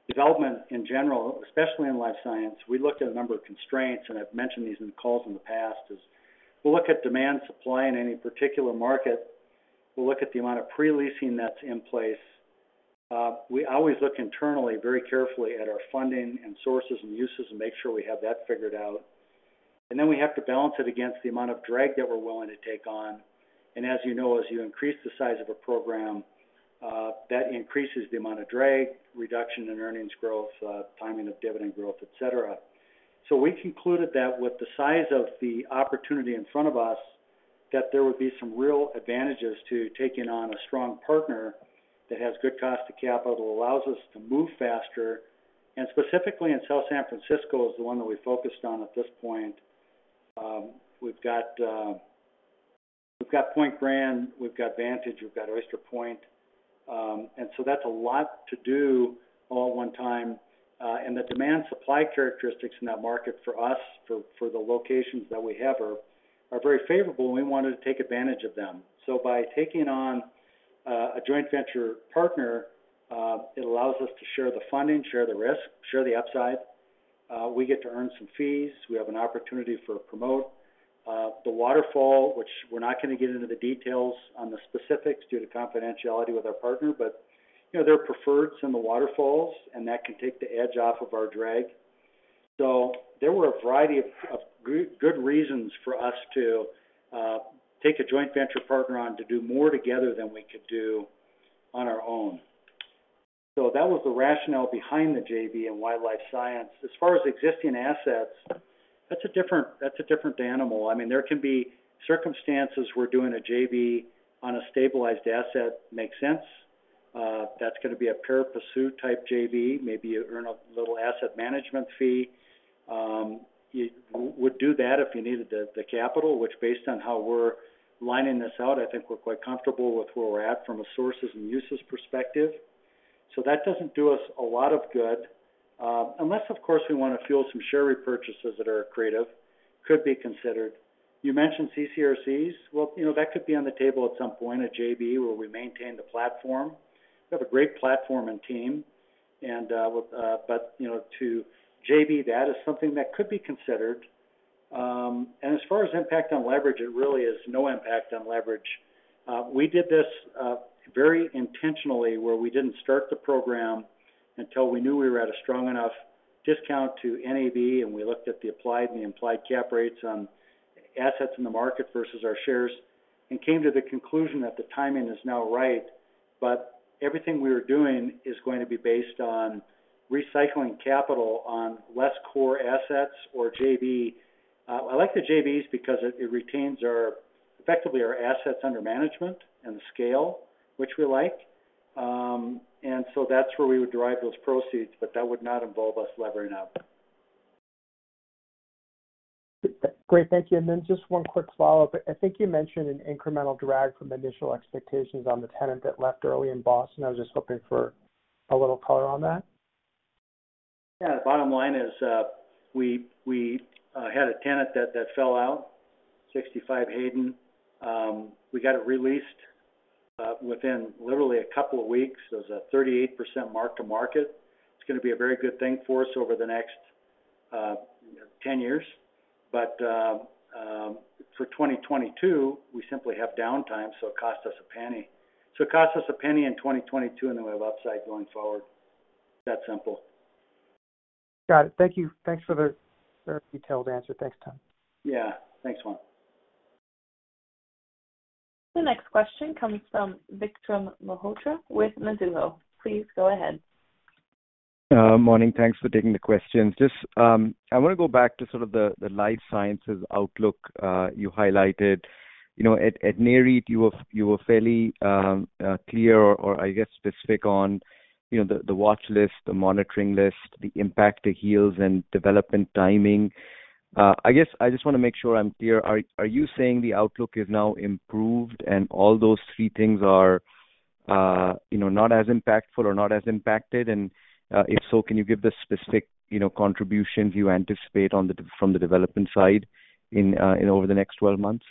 development in general, especially in life science. We looked at a number of constraints, and I've mentioned these in calls in the past, is we'll look at demand supply in any particular market. We'll look at the amount of pre-leasing that's in place. We always look internally very carefully at our funding and sources and uses and make sure we have that figured out. We have to balance it against the amount of drag that we're willing to take on. As you know, as you increase the size of a program, that increases the amount of drag, reduction in earnings growth, timing of dividend growth, et cetera. We concluded that with the size of the opportunity in front of us, that there would be some real advantages to taking on a strong partner that has good cost of capital, allows us to move faster. Specifically in South San Francisco is the one that we focused on at this point. We've got Point Gran, we've got Vantage, we've got Oyster Point. That's a lot to do all at one time. The demand supply characteristics in that market for us, for the locations that we have are very favorable, and we wanted to take advantage of them. By taking on a joint venture partner, it allows us to share the funding, share the risk, share the upside. We get to earn some fees. We have an opportunity for a promote. The waterfall, which we're not gonna get into the details on the specifics due to confidentiality with our partner, but you know, there are preferreds in the waterfalls, and that can take the edge off of our drag. There were a variety of good reasons for us to take a joint venture partner on to do more together than we could do on our own. That was the rationale behind the JV and why life science. As far as existing assets, that's a different animal. I mean, there can be circumstances where doing a JV on a stabilized asset makes sense. That's gonna be a pure pursuit type JV, maybe you earn a little asset management fee. You would do that if you needed the capital, which based on how we're lining this out, I think we're quite comfortable with where we're at from a sources and uses perspective. So that doesn't do us a lot of good. Unless, of course, we wanna fuel some share repurchases that are creative, could be considered. You mentioned CCRCs. That could be on the table at some point, a JV, where we maintain the platform. We have a great platform and team. To JV that is something that could be considered. As far as impact on leverage, it really is no impact on leverage. We did this very intentionally where we didn't start the program until we knew we were at a strong enough discount to NAV, and we looked at the implied and the implied cap rates on assets in the market versus our shares, and came to the conclusion that the timing is now right. Everything we are doing is going to be based on recycling capital on less core assets or JV. I like the JVs because it retains effectively our assets under management and the scale, which we like. That's where we would derive those proceeds, but that would not involve us levering up. Great. Thank you. Just one quick follow-up. I think you mentioned an incremental drag from initial expectations on the tenant that left early in Boston. I was just hoping for a little color on that. Yeah. The bottom line is, we had a tenant that fell out, 65 Hayden. We got it re-leased within literally a couple of weeks. There's a 38% mark to market. It's gonna be a very good thing for us over the next 10 years. But for 2022, we simply have downtime, so it cost us $0.01. So it cost us $0.01 in 2022, and then we have upside going forward. That simple. Got it. Thank you. Thanks for the very detailed answer. Thanks, Tom. Yeah. Thanks, Juan. The next question comes from Vikram Malhotra with Mizuho. Please go ahead. Morning. Thanks for taking the questions. Just, I want to go back to sort of the life sciences outlook you highlighted. You know, at Nareit, you were fairly clear or I guess specific on, you know, the watch list, the monitoring list, the impact to yields and development timing. I guess I just want to make sure I'm clear. Are you saying the outlook is now improved and all those three things are, you know, not as impactful or not as impacted? If so, can you give the specific, you know, contributions you anticipate from the development side over the next 12 months?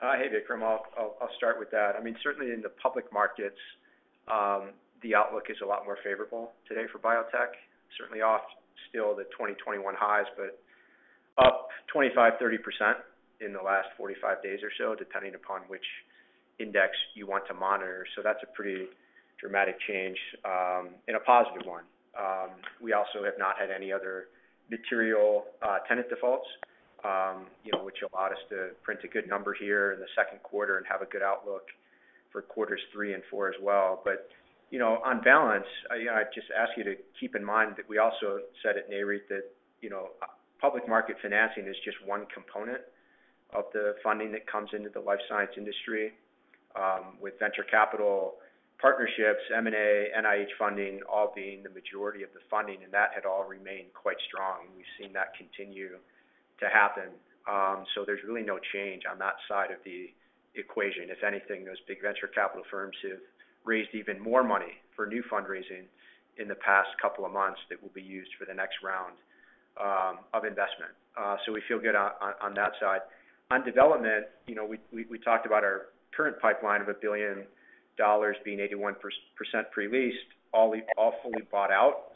Hey, Vikram. I'll start with that. I mean, certainly in the public markets, the outlook is a lot more favorable today for biotech. Certainly still off the 2021 highs, but up 25-30% in the last 45 days or so, depending upon which index you want to monitor. That's a pretty dramatic change, and a positive one. We also have not had any other material tenant defaults, you know, which allowed us to print a good number here in the second quarter and have a good outlook for quarters three and four as well. You know, on balance, I just ask you to keep in mind that we also said at Nareit that, you know, public market financing is just one component of the funding that comes into the life science industry, with venture capital partnerships, M&A, NIH funding, all being the majority of the funding, and that had all remained quite strong. We've seen that continue to happen. So there's really no change on that side of the equation. If anything, those big venture capital firms have raised even more money for new fundraising in the past couple of months that will be used for the next round, of investment. So we feel good on that side. On development, you know, we talked about our current pipeline of $1 billion being 81% pre-leased, all fully bought out.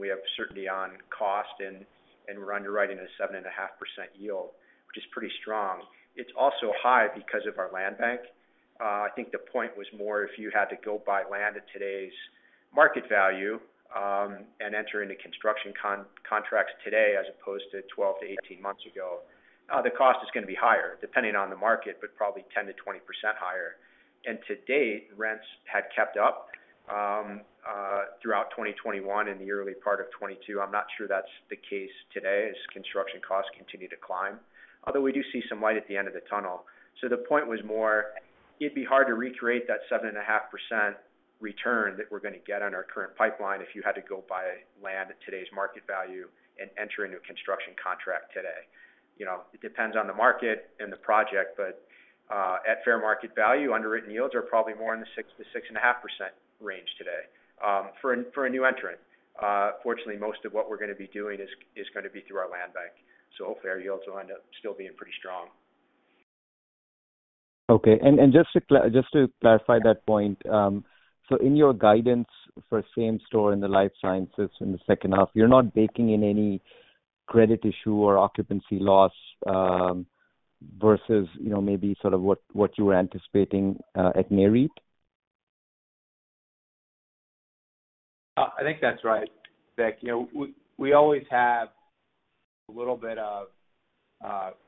We have certainty on cost, and we're underwriting a 7.5% yield, which is pretty strong. It's also high because of our land bank. I think the point was more if you had to go buy land at today's market value, and enter into construction contracts today as opposed to 12-18 months ago, the cost is gonna be higher depending on the market, but probably 10% to 20% higher. To date, rents had kept up throughout 2021 and the early part of 2022. I'm not sure that's the case today as construction costs continue to climb. Although we do see some light at the end of the tunnel. The point was more it'd be hard to recreate that 7.5% return that we're gonna get on our current pipeline if you had to go buy land at today's market value and enter a new construction contract today. You know, it depends on the market and the project, but at fair market value, underwritten yields are probably more in the 6%-6.5% range today, for a new entrant. Fortunately, most of what we're gonna be doing is gonna be through our land bank. Hopefully our yields will end up still being pretty strong. Okay. Just to clarify that point, so in your guidance for same store in the life sciences in the second half, you're not baking in any credit issue or occupancy loss, versus, you know, maybe sort of what you were anticipating at Nareit? I think that's right, Vic. You know, we always have a little bit of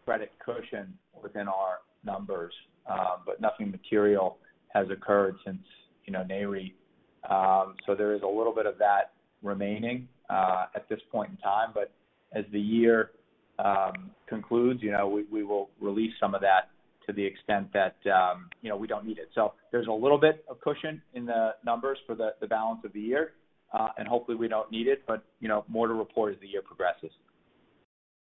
credit cushion within our numbers, but nothing material has occurred since, you know, Nareit. So there is a little bit of that remaining at this point in time. As the year concludes, you know, we will release some of that to the extent that, you know, we don't need it. There's a little bit of cushion in the numbers for the balance of the year, and hopefully we don't need it. You know, more to report as the year progresses.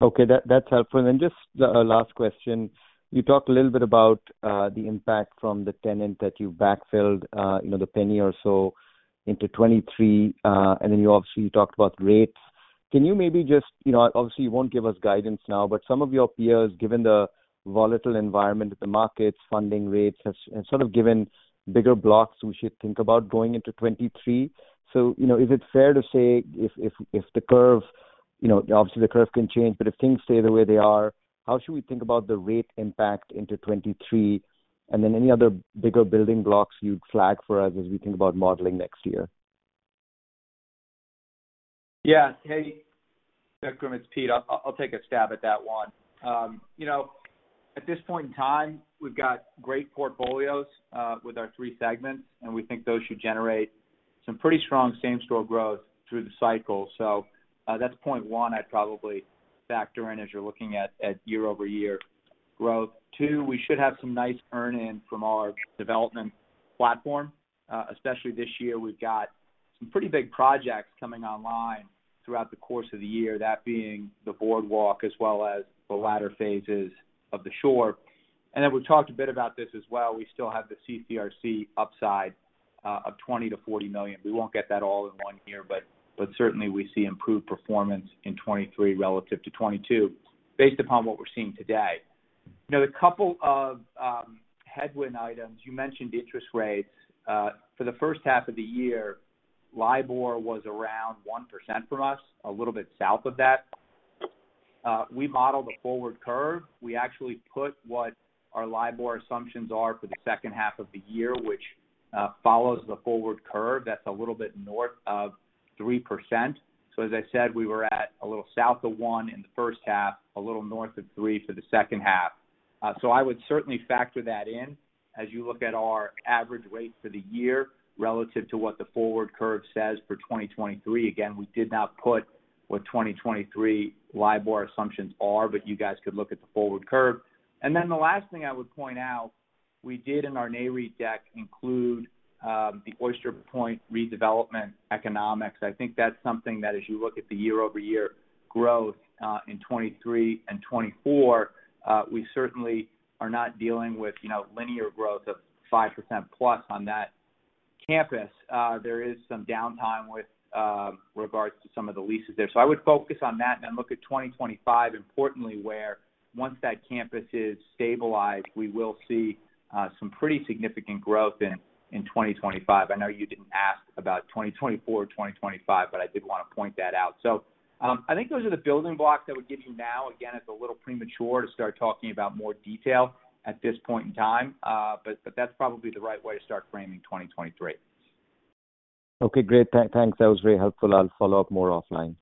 Okay. That's helpful. Just the last question. You talked a little bit about the impact from the tenant that you backfilled, you know, the $0.01 or so into 2023. You obviously talked about rates. Can you maybe just you know, obviously, you won't give us guidance now, but some of your peers, given the volatile environment that the markets funding rates have sort of given bigger blocks we should think about going into 2023. You know, is it fair to say if the curve, you know, obviously the curve can change, but if things stay the way they are, how should we think about the rate impact into 2023? Then any other bigger building blocks you'd flag for us as we think about modeling next year? Yeah. Hey, Vikram, it's Pete. I'll take a stab at that one. You know, at this point in time, we've got great portfolios with our three segments, and we think those should generate some pretty strong same-store growth through the cycle. That's point one I'd probably factor in as you're looking at year-over-year growth. Two, we should have some nice earn-in from our development platform. Especially this year, we've got some pretty big projects coming online throughout the course of the year, that being The Boardwalk as well as the latter phases of The Shore. We've talked a bit about this as well. We still have the CCRC upside of $20-$40 million. We won't get that all in one year, but certainly we see improved performance in 2023 relative to 2022 based upon what we're seeing today. You know, the couple of headwind items, you mentioned interest rates. For the first half of the year, LIBOR was around 1% for us, a little bit south of that. We modeled the forward curve. We actually put what our LIBOR assumptions are for the second half of the year, which- Follows the forward curve that's a little bit north of 3%. As I said, we were at a little south of 1% in the first half, a little north of 3% for the second half. I would certainly factor that in as you look at our average rates for the year relative to what the forward curve says for 2023. Again, we did not put what 2023 LIBOR assumptions are, but you guys could look at the forward curve. The last thing I would point out, we did in our Nareit deck include the Oyster Point redevelopment economics. I think that's something that as you look at the year-over-year growth in 2023 and 2024, we certainly are not dealing with, you know, linear growth of 5%+ on that campus. There is some downtime with regards to some of the leases there. I would focus on that and then look at 2025 importantly, where once that campus is stabilized, we will see some pretty significant growth in 2025. I know you didn't ask about 2024 or 2025, but I did wanna point that out. I think those are the building blocks that would give you now. Again, it's a little premature to start talking about more detail at this point in time. That's probably the right way to start framing 2023. Okay, great. Thanks. That was very helpful. I'll follow up more offline.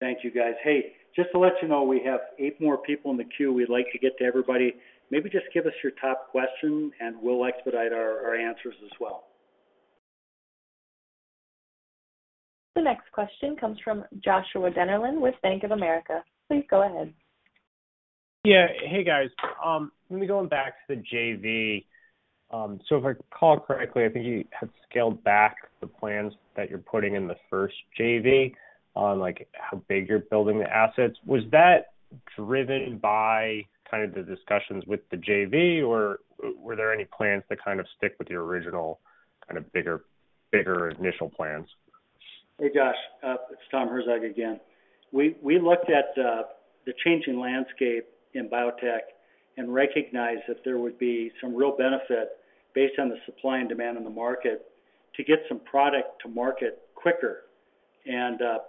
Thank you guys. Hey, just to let you know, we have eight more people in the queue. We'd like to get to everybody. Maybe just give us your top question, and we'll expedite our answers as well. The next question comes from Joshua Dennerlein with Bank of America. Please go ahead. Yeah. Hey, guys. Let me go back to the JV. So if I recall correctly, I think you had scaled back the plans that you're putting in the first JV on, like how big you're building the assets. Was that driven by kind of the discussions with the JV, or were there any plans to kind of stick with your original kind of bigger initial plans? Hey, Josh, it's Tom Herzog again. We looked at the changing landscape in biotech and recognized that there would be some real benefit based on the supply and demand in the market to get some product to market quicker.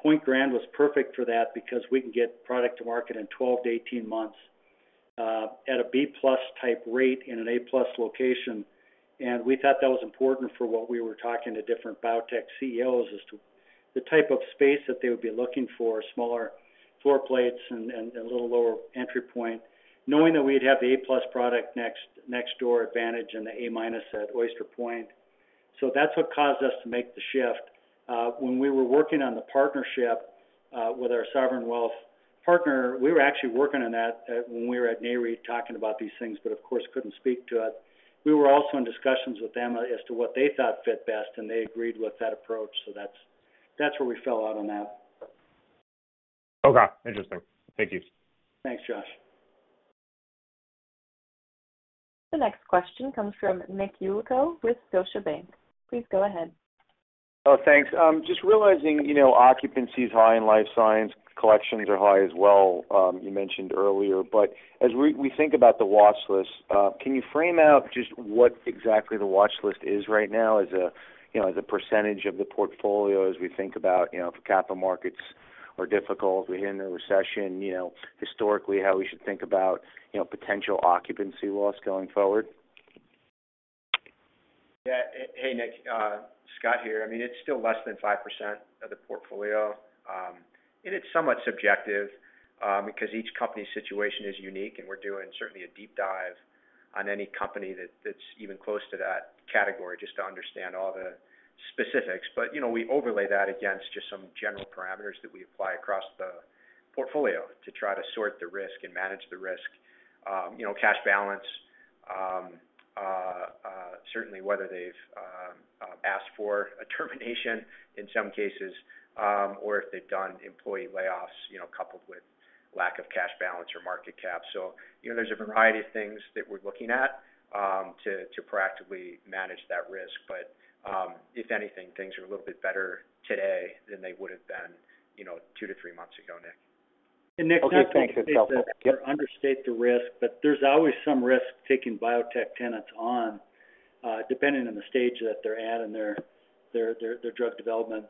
Point Grand was perfect for that because we can get product to market in 12-18 months at a B-plus type rate in an A-plus location. We thought that was important for what we were talking to different biotech CEOs as to the type of space that they would be looking for, smaller floor plates and a little lower entry point, knowing that we'd have the A-plus product next door at Vantage and the A-minus at Oyster Point. That's what caused us to make the shift. When we were working on the partnership with our sovereign wealth partner, we were actually working on that when we were at Nareit talking about these things, but of course, couldn't speak to it. We were also in discussions with them as to what they thought fit best, and they agreed with that approach. That's where we fell out on that. Okay. Interesting. Thank you. Thanks, Josh. The next question comes from Nick Yulico with Scotiabank. Please go ahead. Oh, thanks. Just realizing, you know, occupancy is high in life science. Collections are high as well, you mentioned earlier. But as we think about the watch list, can you frame out just what exactly the watch list is right now as a percentage of the portfolio as we think about, you know, if capital markets are difficult, we hit a recession, you know, historically, how we should think about, you know, potential occupancy loss going forward? Yeah. Hey, Nick. Scott here. I mean, it's still less than 5% of the portfolio. It's somewhat subjective, because each company's situation is unique, and we're doing certainly a deep dive on any company that's even close to that category just to understand all the specifics. You know, we overlay that against just some general parameters that we apply across the portfolio to try to sort the risk and manage the risk. You know, cash balance, certainly whether they've asked for a termination in some cases, or if they've done employee layoffs, you know, coupled with lack of cash balance or market cap. You know, there's a variety of things that we're looking at, to practically manage that risk. If anything, things are a little bit better today than they would have been, you know, two to three months ago, Nick. Nick, not to- Okay, thanks. That's helpful. Yep. Understate the risk, but there's always some risk taking biotech tenants on, depending on the stage that they're at in their drug development.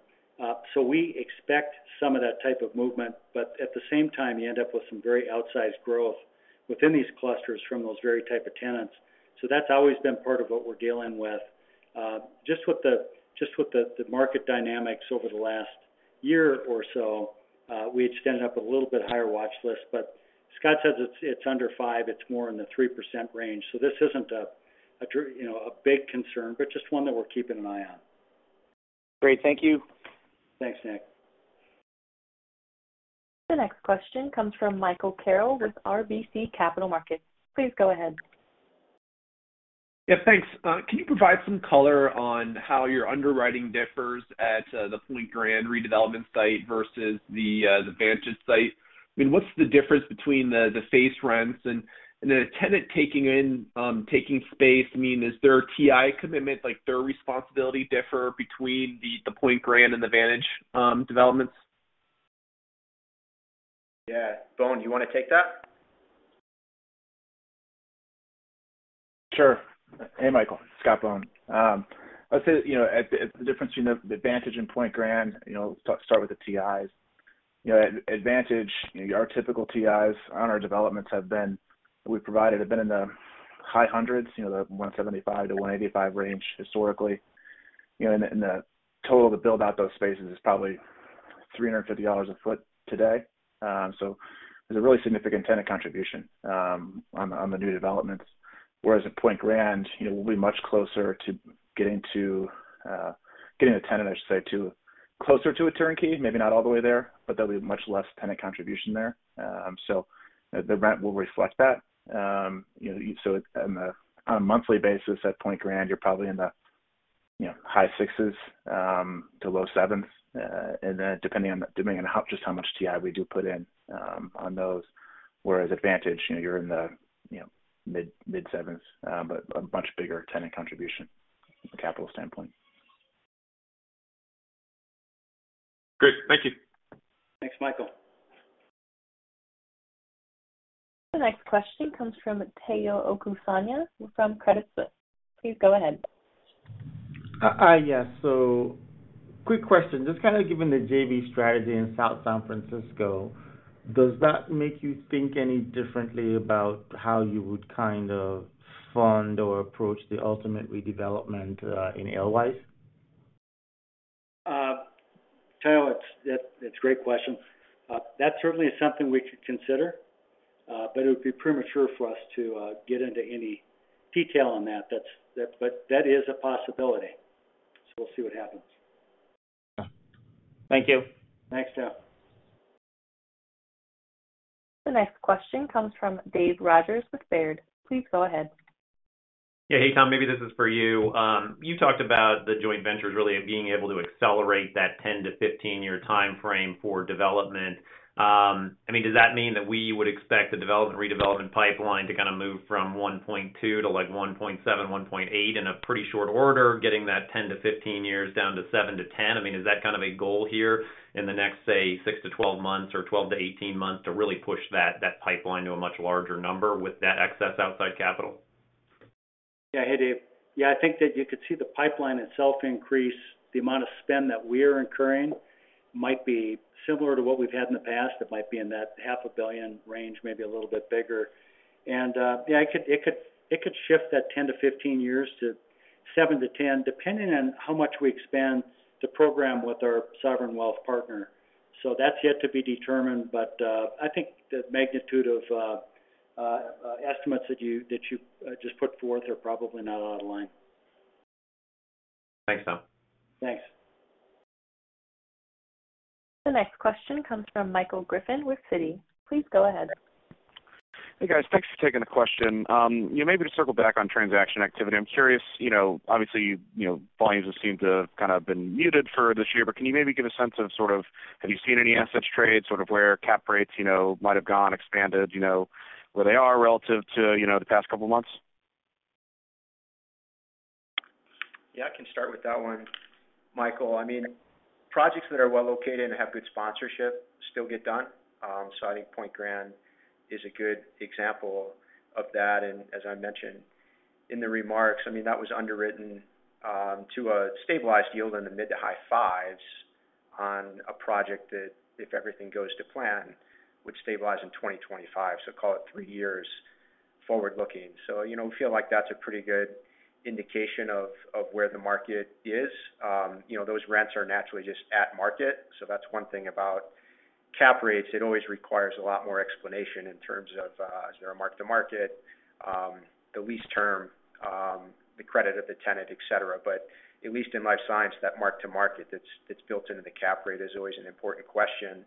So we expect some of that type of movement, but at the same time, you end up with some very outsized growth within these clusters from those very type of tenants. So that's always been part of what we're dealing with. Just with the market dynamics over the last year or so, we had standing up a little bit higher watch list. But Scott says it's under 5, it's more in the 3% range. So this isn't a true, you know, a big concern, but just one that we're keeping an eye on. Great. Thank you. Thanks, Nick. The next question comes from Michael Carroll with RBC Capital Markets. Please go ahead. Yeah, thanks. Can you provide some color on how your underwriting differs at the Point Grand redevelopment site versus the Vantage site? I mean, what's the difference between the face rents and then a tenant taking space? I mean, is there a TI commitment, like their responsibility differ between the Point Grand and the Vantage developments? Yeah. Bohn, you wanna take that? Sure. Hey, Michael. Scott Bohn. Let's say, you know, at the difference between the Vantage and Point Grand, you know, start with the TIs. You know, at Vantage, you know, our typical TIs on our developments have been in the high hundreds, you know, the 175 to 185 range historically. The total to build out those spaces is probably $350 a foot today. So there's a really significant tenant contribution on the new developments. Whereas at Oyster Point, you know, we'll be much closer to getting a tenant, I should say, closer to a turnkey, maybe not all the way there, but there'll be much less tenant contribution there. The rent will reflect that. You know, on a monthly basis at Oyster Point, you're probably in the high sixes to low sevens. depending on how much TI we do put in on those. Whereas Vantage, you know, you're in the mid sevens, you know, but a much bigger tenant contribution from a capital standpoint. Great. Thank you. Thanks, Michael. The next question comes from Omotayo Okusanya from Credit Suisse. Please go ahead. Yes. Quick question. Just kind of given the JV strategy in South San Francisco, does that make you think any differently about how you would kind of fund or approach the ultimate redevelopment in Alois? Teyo, it's a great question. That certainly is something we could consider, but it would be premature for us to get into any detail on that. That is a possibility. We'll see what happens. Thank you. Thanks, Teyo. The next question comes from David Rogers with Baird. Please go ahead. Yeah. Hey, Tom, maybe this is for you. You talked about the joint ventures really being able to accelerate that 10 to 15-year timeframe for development. I mean, does that mean that we would expect the development, redevelopment pipeline to kind of move from 1.2 to like 1.7 to 1.8 in a pretty short order, getting that 10 to 15 years down to 7 to 10? I mean, is that kind of a goal here in the next, say, 6 to 12 months or 12 to 18 months to really push that pipeline to a much larger number with that excess outside capital? Yeah. Hey, Dave. Yeah, I think that you could see the pipeline itself increase. The amount of spend that we're incurring might be similar to what we've had in the past. It might be in that $ 500 million range, maybe a little bit bigger. Yeah, it could shift that 10 to 15 years to 7 to 10, depending on how much we expand the program with our sovereign wealth partner. That's yet to be determined. I think the magnitude of estimates that you just put forth are probably not out of line. Thanks, Tom. Thanks. The next question comes from Michael Griffin with Citi. Please go ahead. Hey, guys. Thanks for taking the question. Yeah, maybe to circle back on transaction activity. I'm curious, you know, obviously, you know, volumes have seemed to kind of been muted for this year, but can you maybe give a sense of sort of have you seen any assets trade sort of where cap rates, you know, might have gone expanded, you know, where they are relative to, you know, the past couple months? Yeah, I can start with that one, Michael. I mean, projects that are well located and have good sponsorship still get done. I think Point Grand is a good example of that. As I mentioned in the remarks, I mean, that was underwritten to a stabilized yield in the mid to high fives on a project that, if everything goes to plan, would stabilize in 2025, so call it three years forward-looking. You know, we feel like that's a pretty good indication of where the market is. You know, those rents are naturally just at market. That's one thing about cap rates. It always requires a lot more explanation in terms of is there a mark-to-market, the lease term, the credit of the tenant, et cetera. At least in life science, that mark-to-market that's built into the cap rate is always an important question.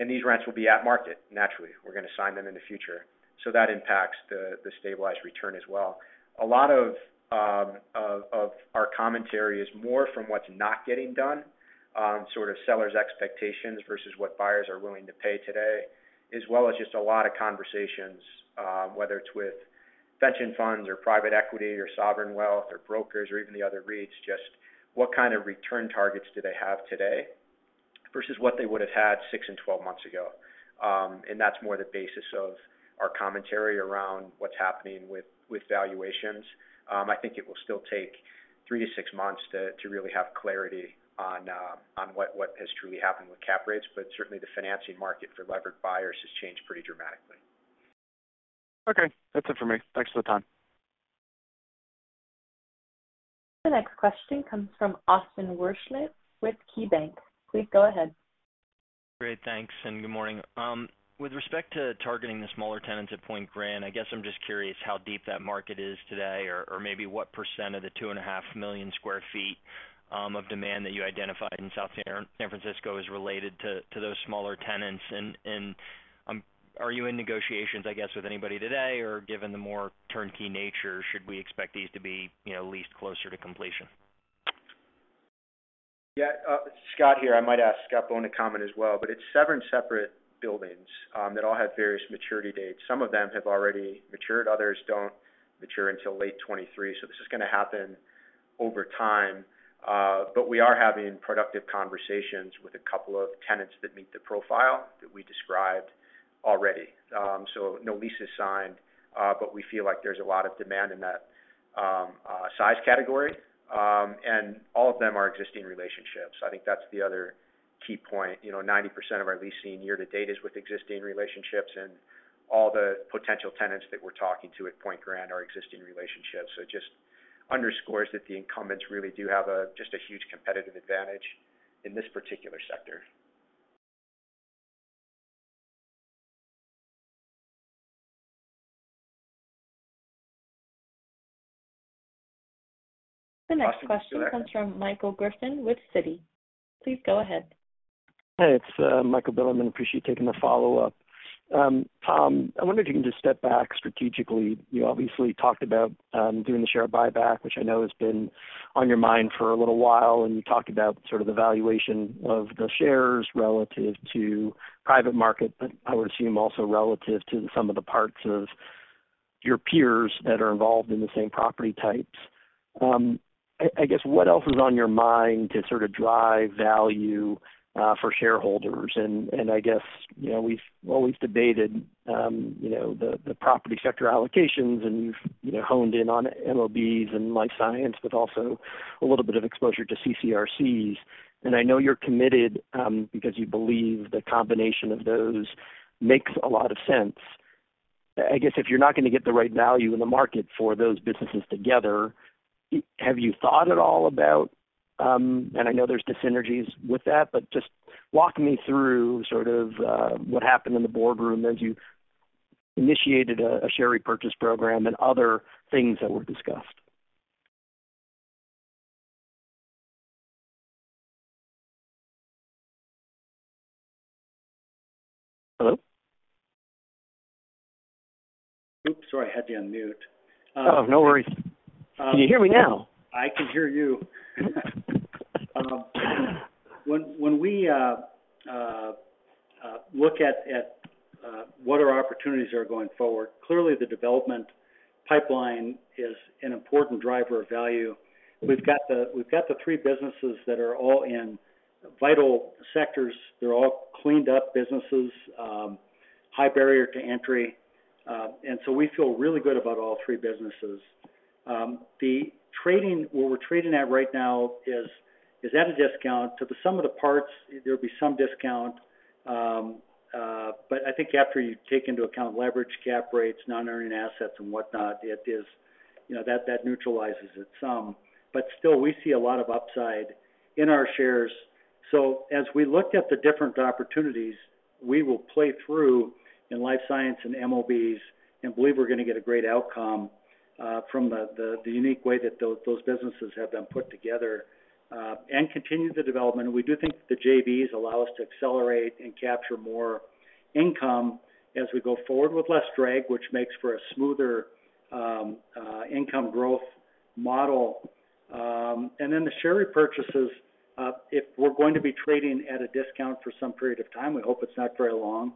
These rents will be at market. Naturally, we're gonna sign them in the future. That impacts the stabilized return as well. A lot of our commentary is more from what's not getting done, sort of sellers' expectations versus what buyers are willing to pay today, as well as just a lot of conversations, whether it's with pension funds or private equity or sovereign wealth or brokers or even the other REITs, just what kind of return targets do they have today versus what they would've had six and twelve months ago. That's more the basis of our commentary around what's happening with valuations. I think it will still take 3-6 months to really have clarity on what has truly happened with cap rates. Certainly, the financing market for levered buyers has changed pretty dramatically. Okay. That's it for me. Thanks for the time. The next question comes from Austin Wurschmidt with KeyBanc Capital Markets. Please go ahead. Great. Thanks, and good morning. With respect to targeting the smaller tenants at Point Grand, I guess I'm just curious how deep that market is today or maybe what % of the 2.5 million sq ft of demand that you identified in South San Francisco is related to those smaller tenants. Are you in negotiations, I guess, with anybody today? Or given the more turnkey nature, should we expect these to be, you know, leased closer to completion? Yeah. Scott here. I might ask Scott Bohn to comment as well, but it's seven separate buildings that all have various maturity dates. Some of them have already matured, others don't mature until late 2023, so this is gonna happen over time. But we are having productive conversations with a couple of tenants that meet the profile that we described. No leases signed, but we feel like there's a lot of demand in that size category, and all of them are existing relationships. I think that's the other key point. You know, 90% of our leasing year-to-date is with existing relationships, and all the potential tenants that we're talking to at Point Grand are existing relationships. It just underscores that the incumbents really do have just a huge competitive advantage in this particular sector. The next question comes from Michael Griffin with Citi. Please go ahead. Hey, it's Michael Griffin. Appreciate you taking the follow-up. Tom, I wonder if you can just step back strategically. You obviously talked about doing the share buyback, which I know has been on your mind for a little while, and you talked about sort of the valuation of the shares relative to private markets, but I would assume also relative to sum of the parts of your peers that are involved in the same property types. I guess what else is on your mind to sort of drive value for shareholders? I guess, you know, we've always debated, you know, the property sector allocations, and you've, you know, honed in on MOBs and life science, but also a little bit of exposure to CCRCs. I know you're committed, because you believe the combination of those makes a lot of sense. I guess if you're not gonna get the right value in the market for those businesses together, have you thought at all about, and I know there's dis-synergies with that, but just walk me through sort of, what happened in the boardroom as you initiated a share repurchase program and other things that were discussed. Hello? Oops, sorry, I had you on mute. Oh, no worries. Um- Can you hear me now? I can hear you. When we look at what our opportunities are going forward, clearly the development pipeline is an important driver of value. We've got the three businesses that are all in vital sectors. They're all cleaned up businesses, high barrier to entry, and so we feel really good about all three businesses. What we're trading at right now is at a discount to the sum of the parts. There'll be some discount, but I think after you take into account leverage, cap rates, non-earning assets and whatnot, it is, you know, that neutralizes it some. Still, we see a lot of upside in our shares. As we look at the different opportunities, we will play through in life science and MOBs, and believe we're gonna get a great outcome from the unique way that those businesses have been put together and continue the development. We do think the JVs allow us to accelerate and capture more income as we go forward with less drag, which makes for a smoother income growth model. The share repurchases, if we're going to be trading at a discount for some period of time, we hope it's not very long,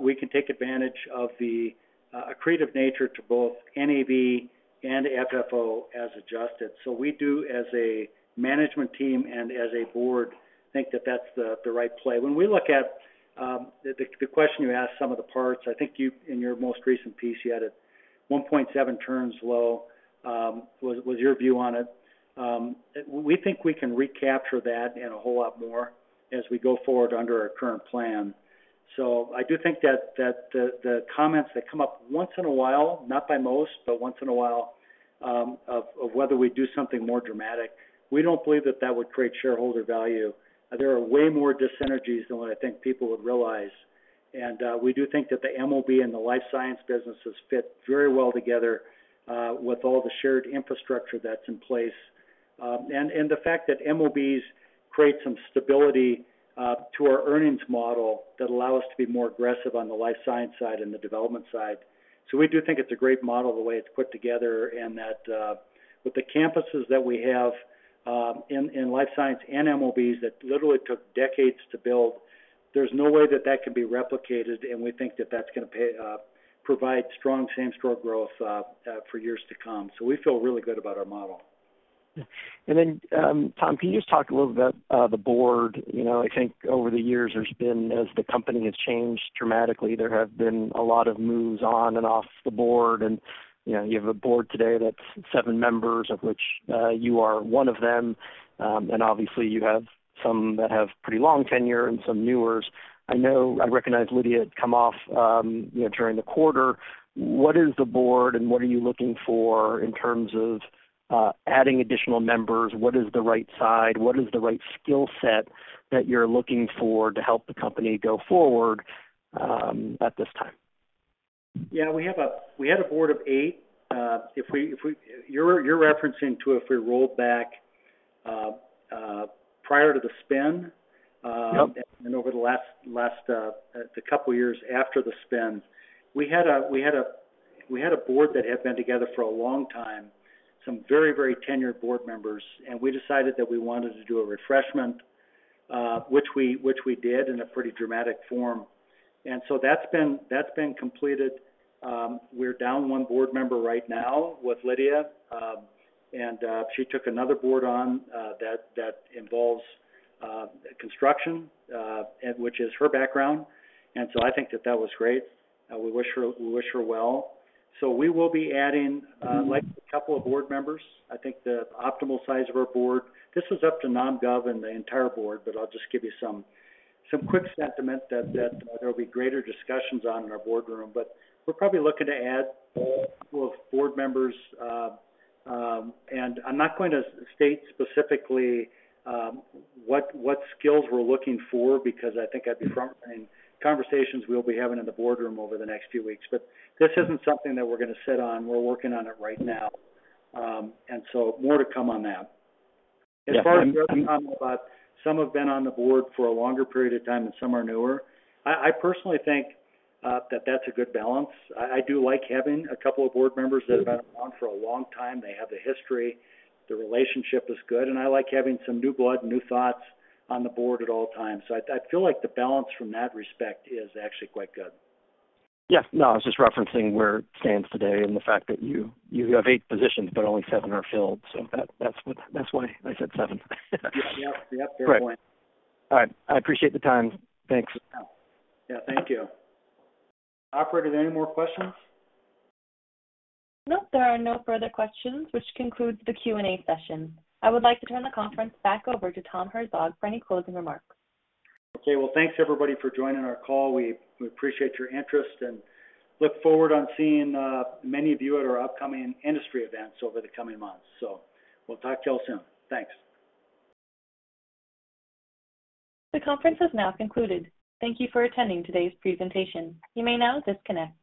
we can take advantage of the accretive nature to both NAV and FFO as adjusted. We do as a management team and as a board think that that's the right play. When we look at the question you asked, some of the parts, I think you in your most recent piece, you had it 1.7 turns low, was your view on it. We think we can recapture that and a whole lot more as we go forward under our current plan. I do think that the comments that come up once in a while, not by most, but once in a while, of whether we do something more dramatic, we don't believe that would create shareholder value. There are way more dis-synergies than what I think people would realize. We do think that the MOB and the life science businesses fit very well together with all the shared infrastructure that's in place. The fact that MOBs create some stability to our earnings model that allow us to be more aggressive on the life science side and the development side. We do think it's a great model the way it's put together and that, with the campuses that we have, in life science and MOBs that literally took decades to build, there's no way that can be replicated, and we think that that's gonna pay, provide strong same-store growth for years to come. We feel really good about our model. Tom, can you just talk a little bit about the board? You know, I think over the years there's been, as the company has changed dramatically, there have been a lot of moves on and off the board. You know, you have a board today that's seven members, of which you are one of them. Obviously you have some that have pretty long tenure and some newers. I know, I recognize Lydia had come off, you know, during the quarter. What is the board, and what are you looking for in terms of adding additional members? What is the right size? What is the right skill set that you're looking for to help the company go forward at this time? Yeah. We had a board of eight. You're referring to if we rolled back prior to the spin. Yep... over the last couple years after the spin. We had a board that had been together for a long time, some very tenured board members, and we decided that we wanted to do a refreshment, which we did in a pretty dramatic form. That's been completed. We're down one board member right now with Lydia. She took another board on that involves construction and which is her background. I think that was great. We wish her well. We will be adding like a couple of board members. I think the optimal size of our board. This is up to Nom Gov and the entire board, but I'll just give you some quick sentiment that there'll be greater discussions on in our boardroom. We're probably looking to add a couple of board members. I'm not going to state specifically what skills we're looking for because I think at the front end conversations we'll be having in the boardroom over the next few weeks. This isn't something that we're gonna sit on. We're working on it right now. More to come on that. Yeah. As far as what you're talking about, some have been on the board for a longer period of time, and some are newer. I personally think that that's a good balance. I do like having a couple of board members that have been around for a long time. They have the history, the relationship is good, and I like having some new blood, new thoughts on the board at all times. I feel like the balance from that respect is actually quite good. Yeah. No, I was just referencing where it stands today and the fact that you have eight positions, but only seven are filled. That's why I said seven. Yep, yep. Fair point. All right. I appreciate the time. Thanks. Yeah. Thank you. Operator, are there any more questions? Nope. There are no further questions, which concludes the Q&A session. I would like to turn the conference back over to Tom Herzog for any closing remarks. Okay. Well, thanks everybody for joining our call. We appreciate your interest and look forward on seeing many of you at our upcoming industry events over the coming months. We'll talk to you all soon. Thanks. The conference is now concluded. Thank you for attending today's presentation. You may now disconnect.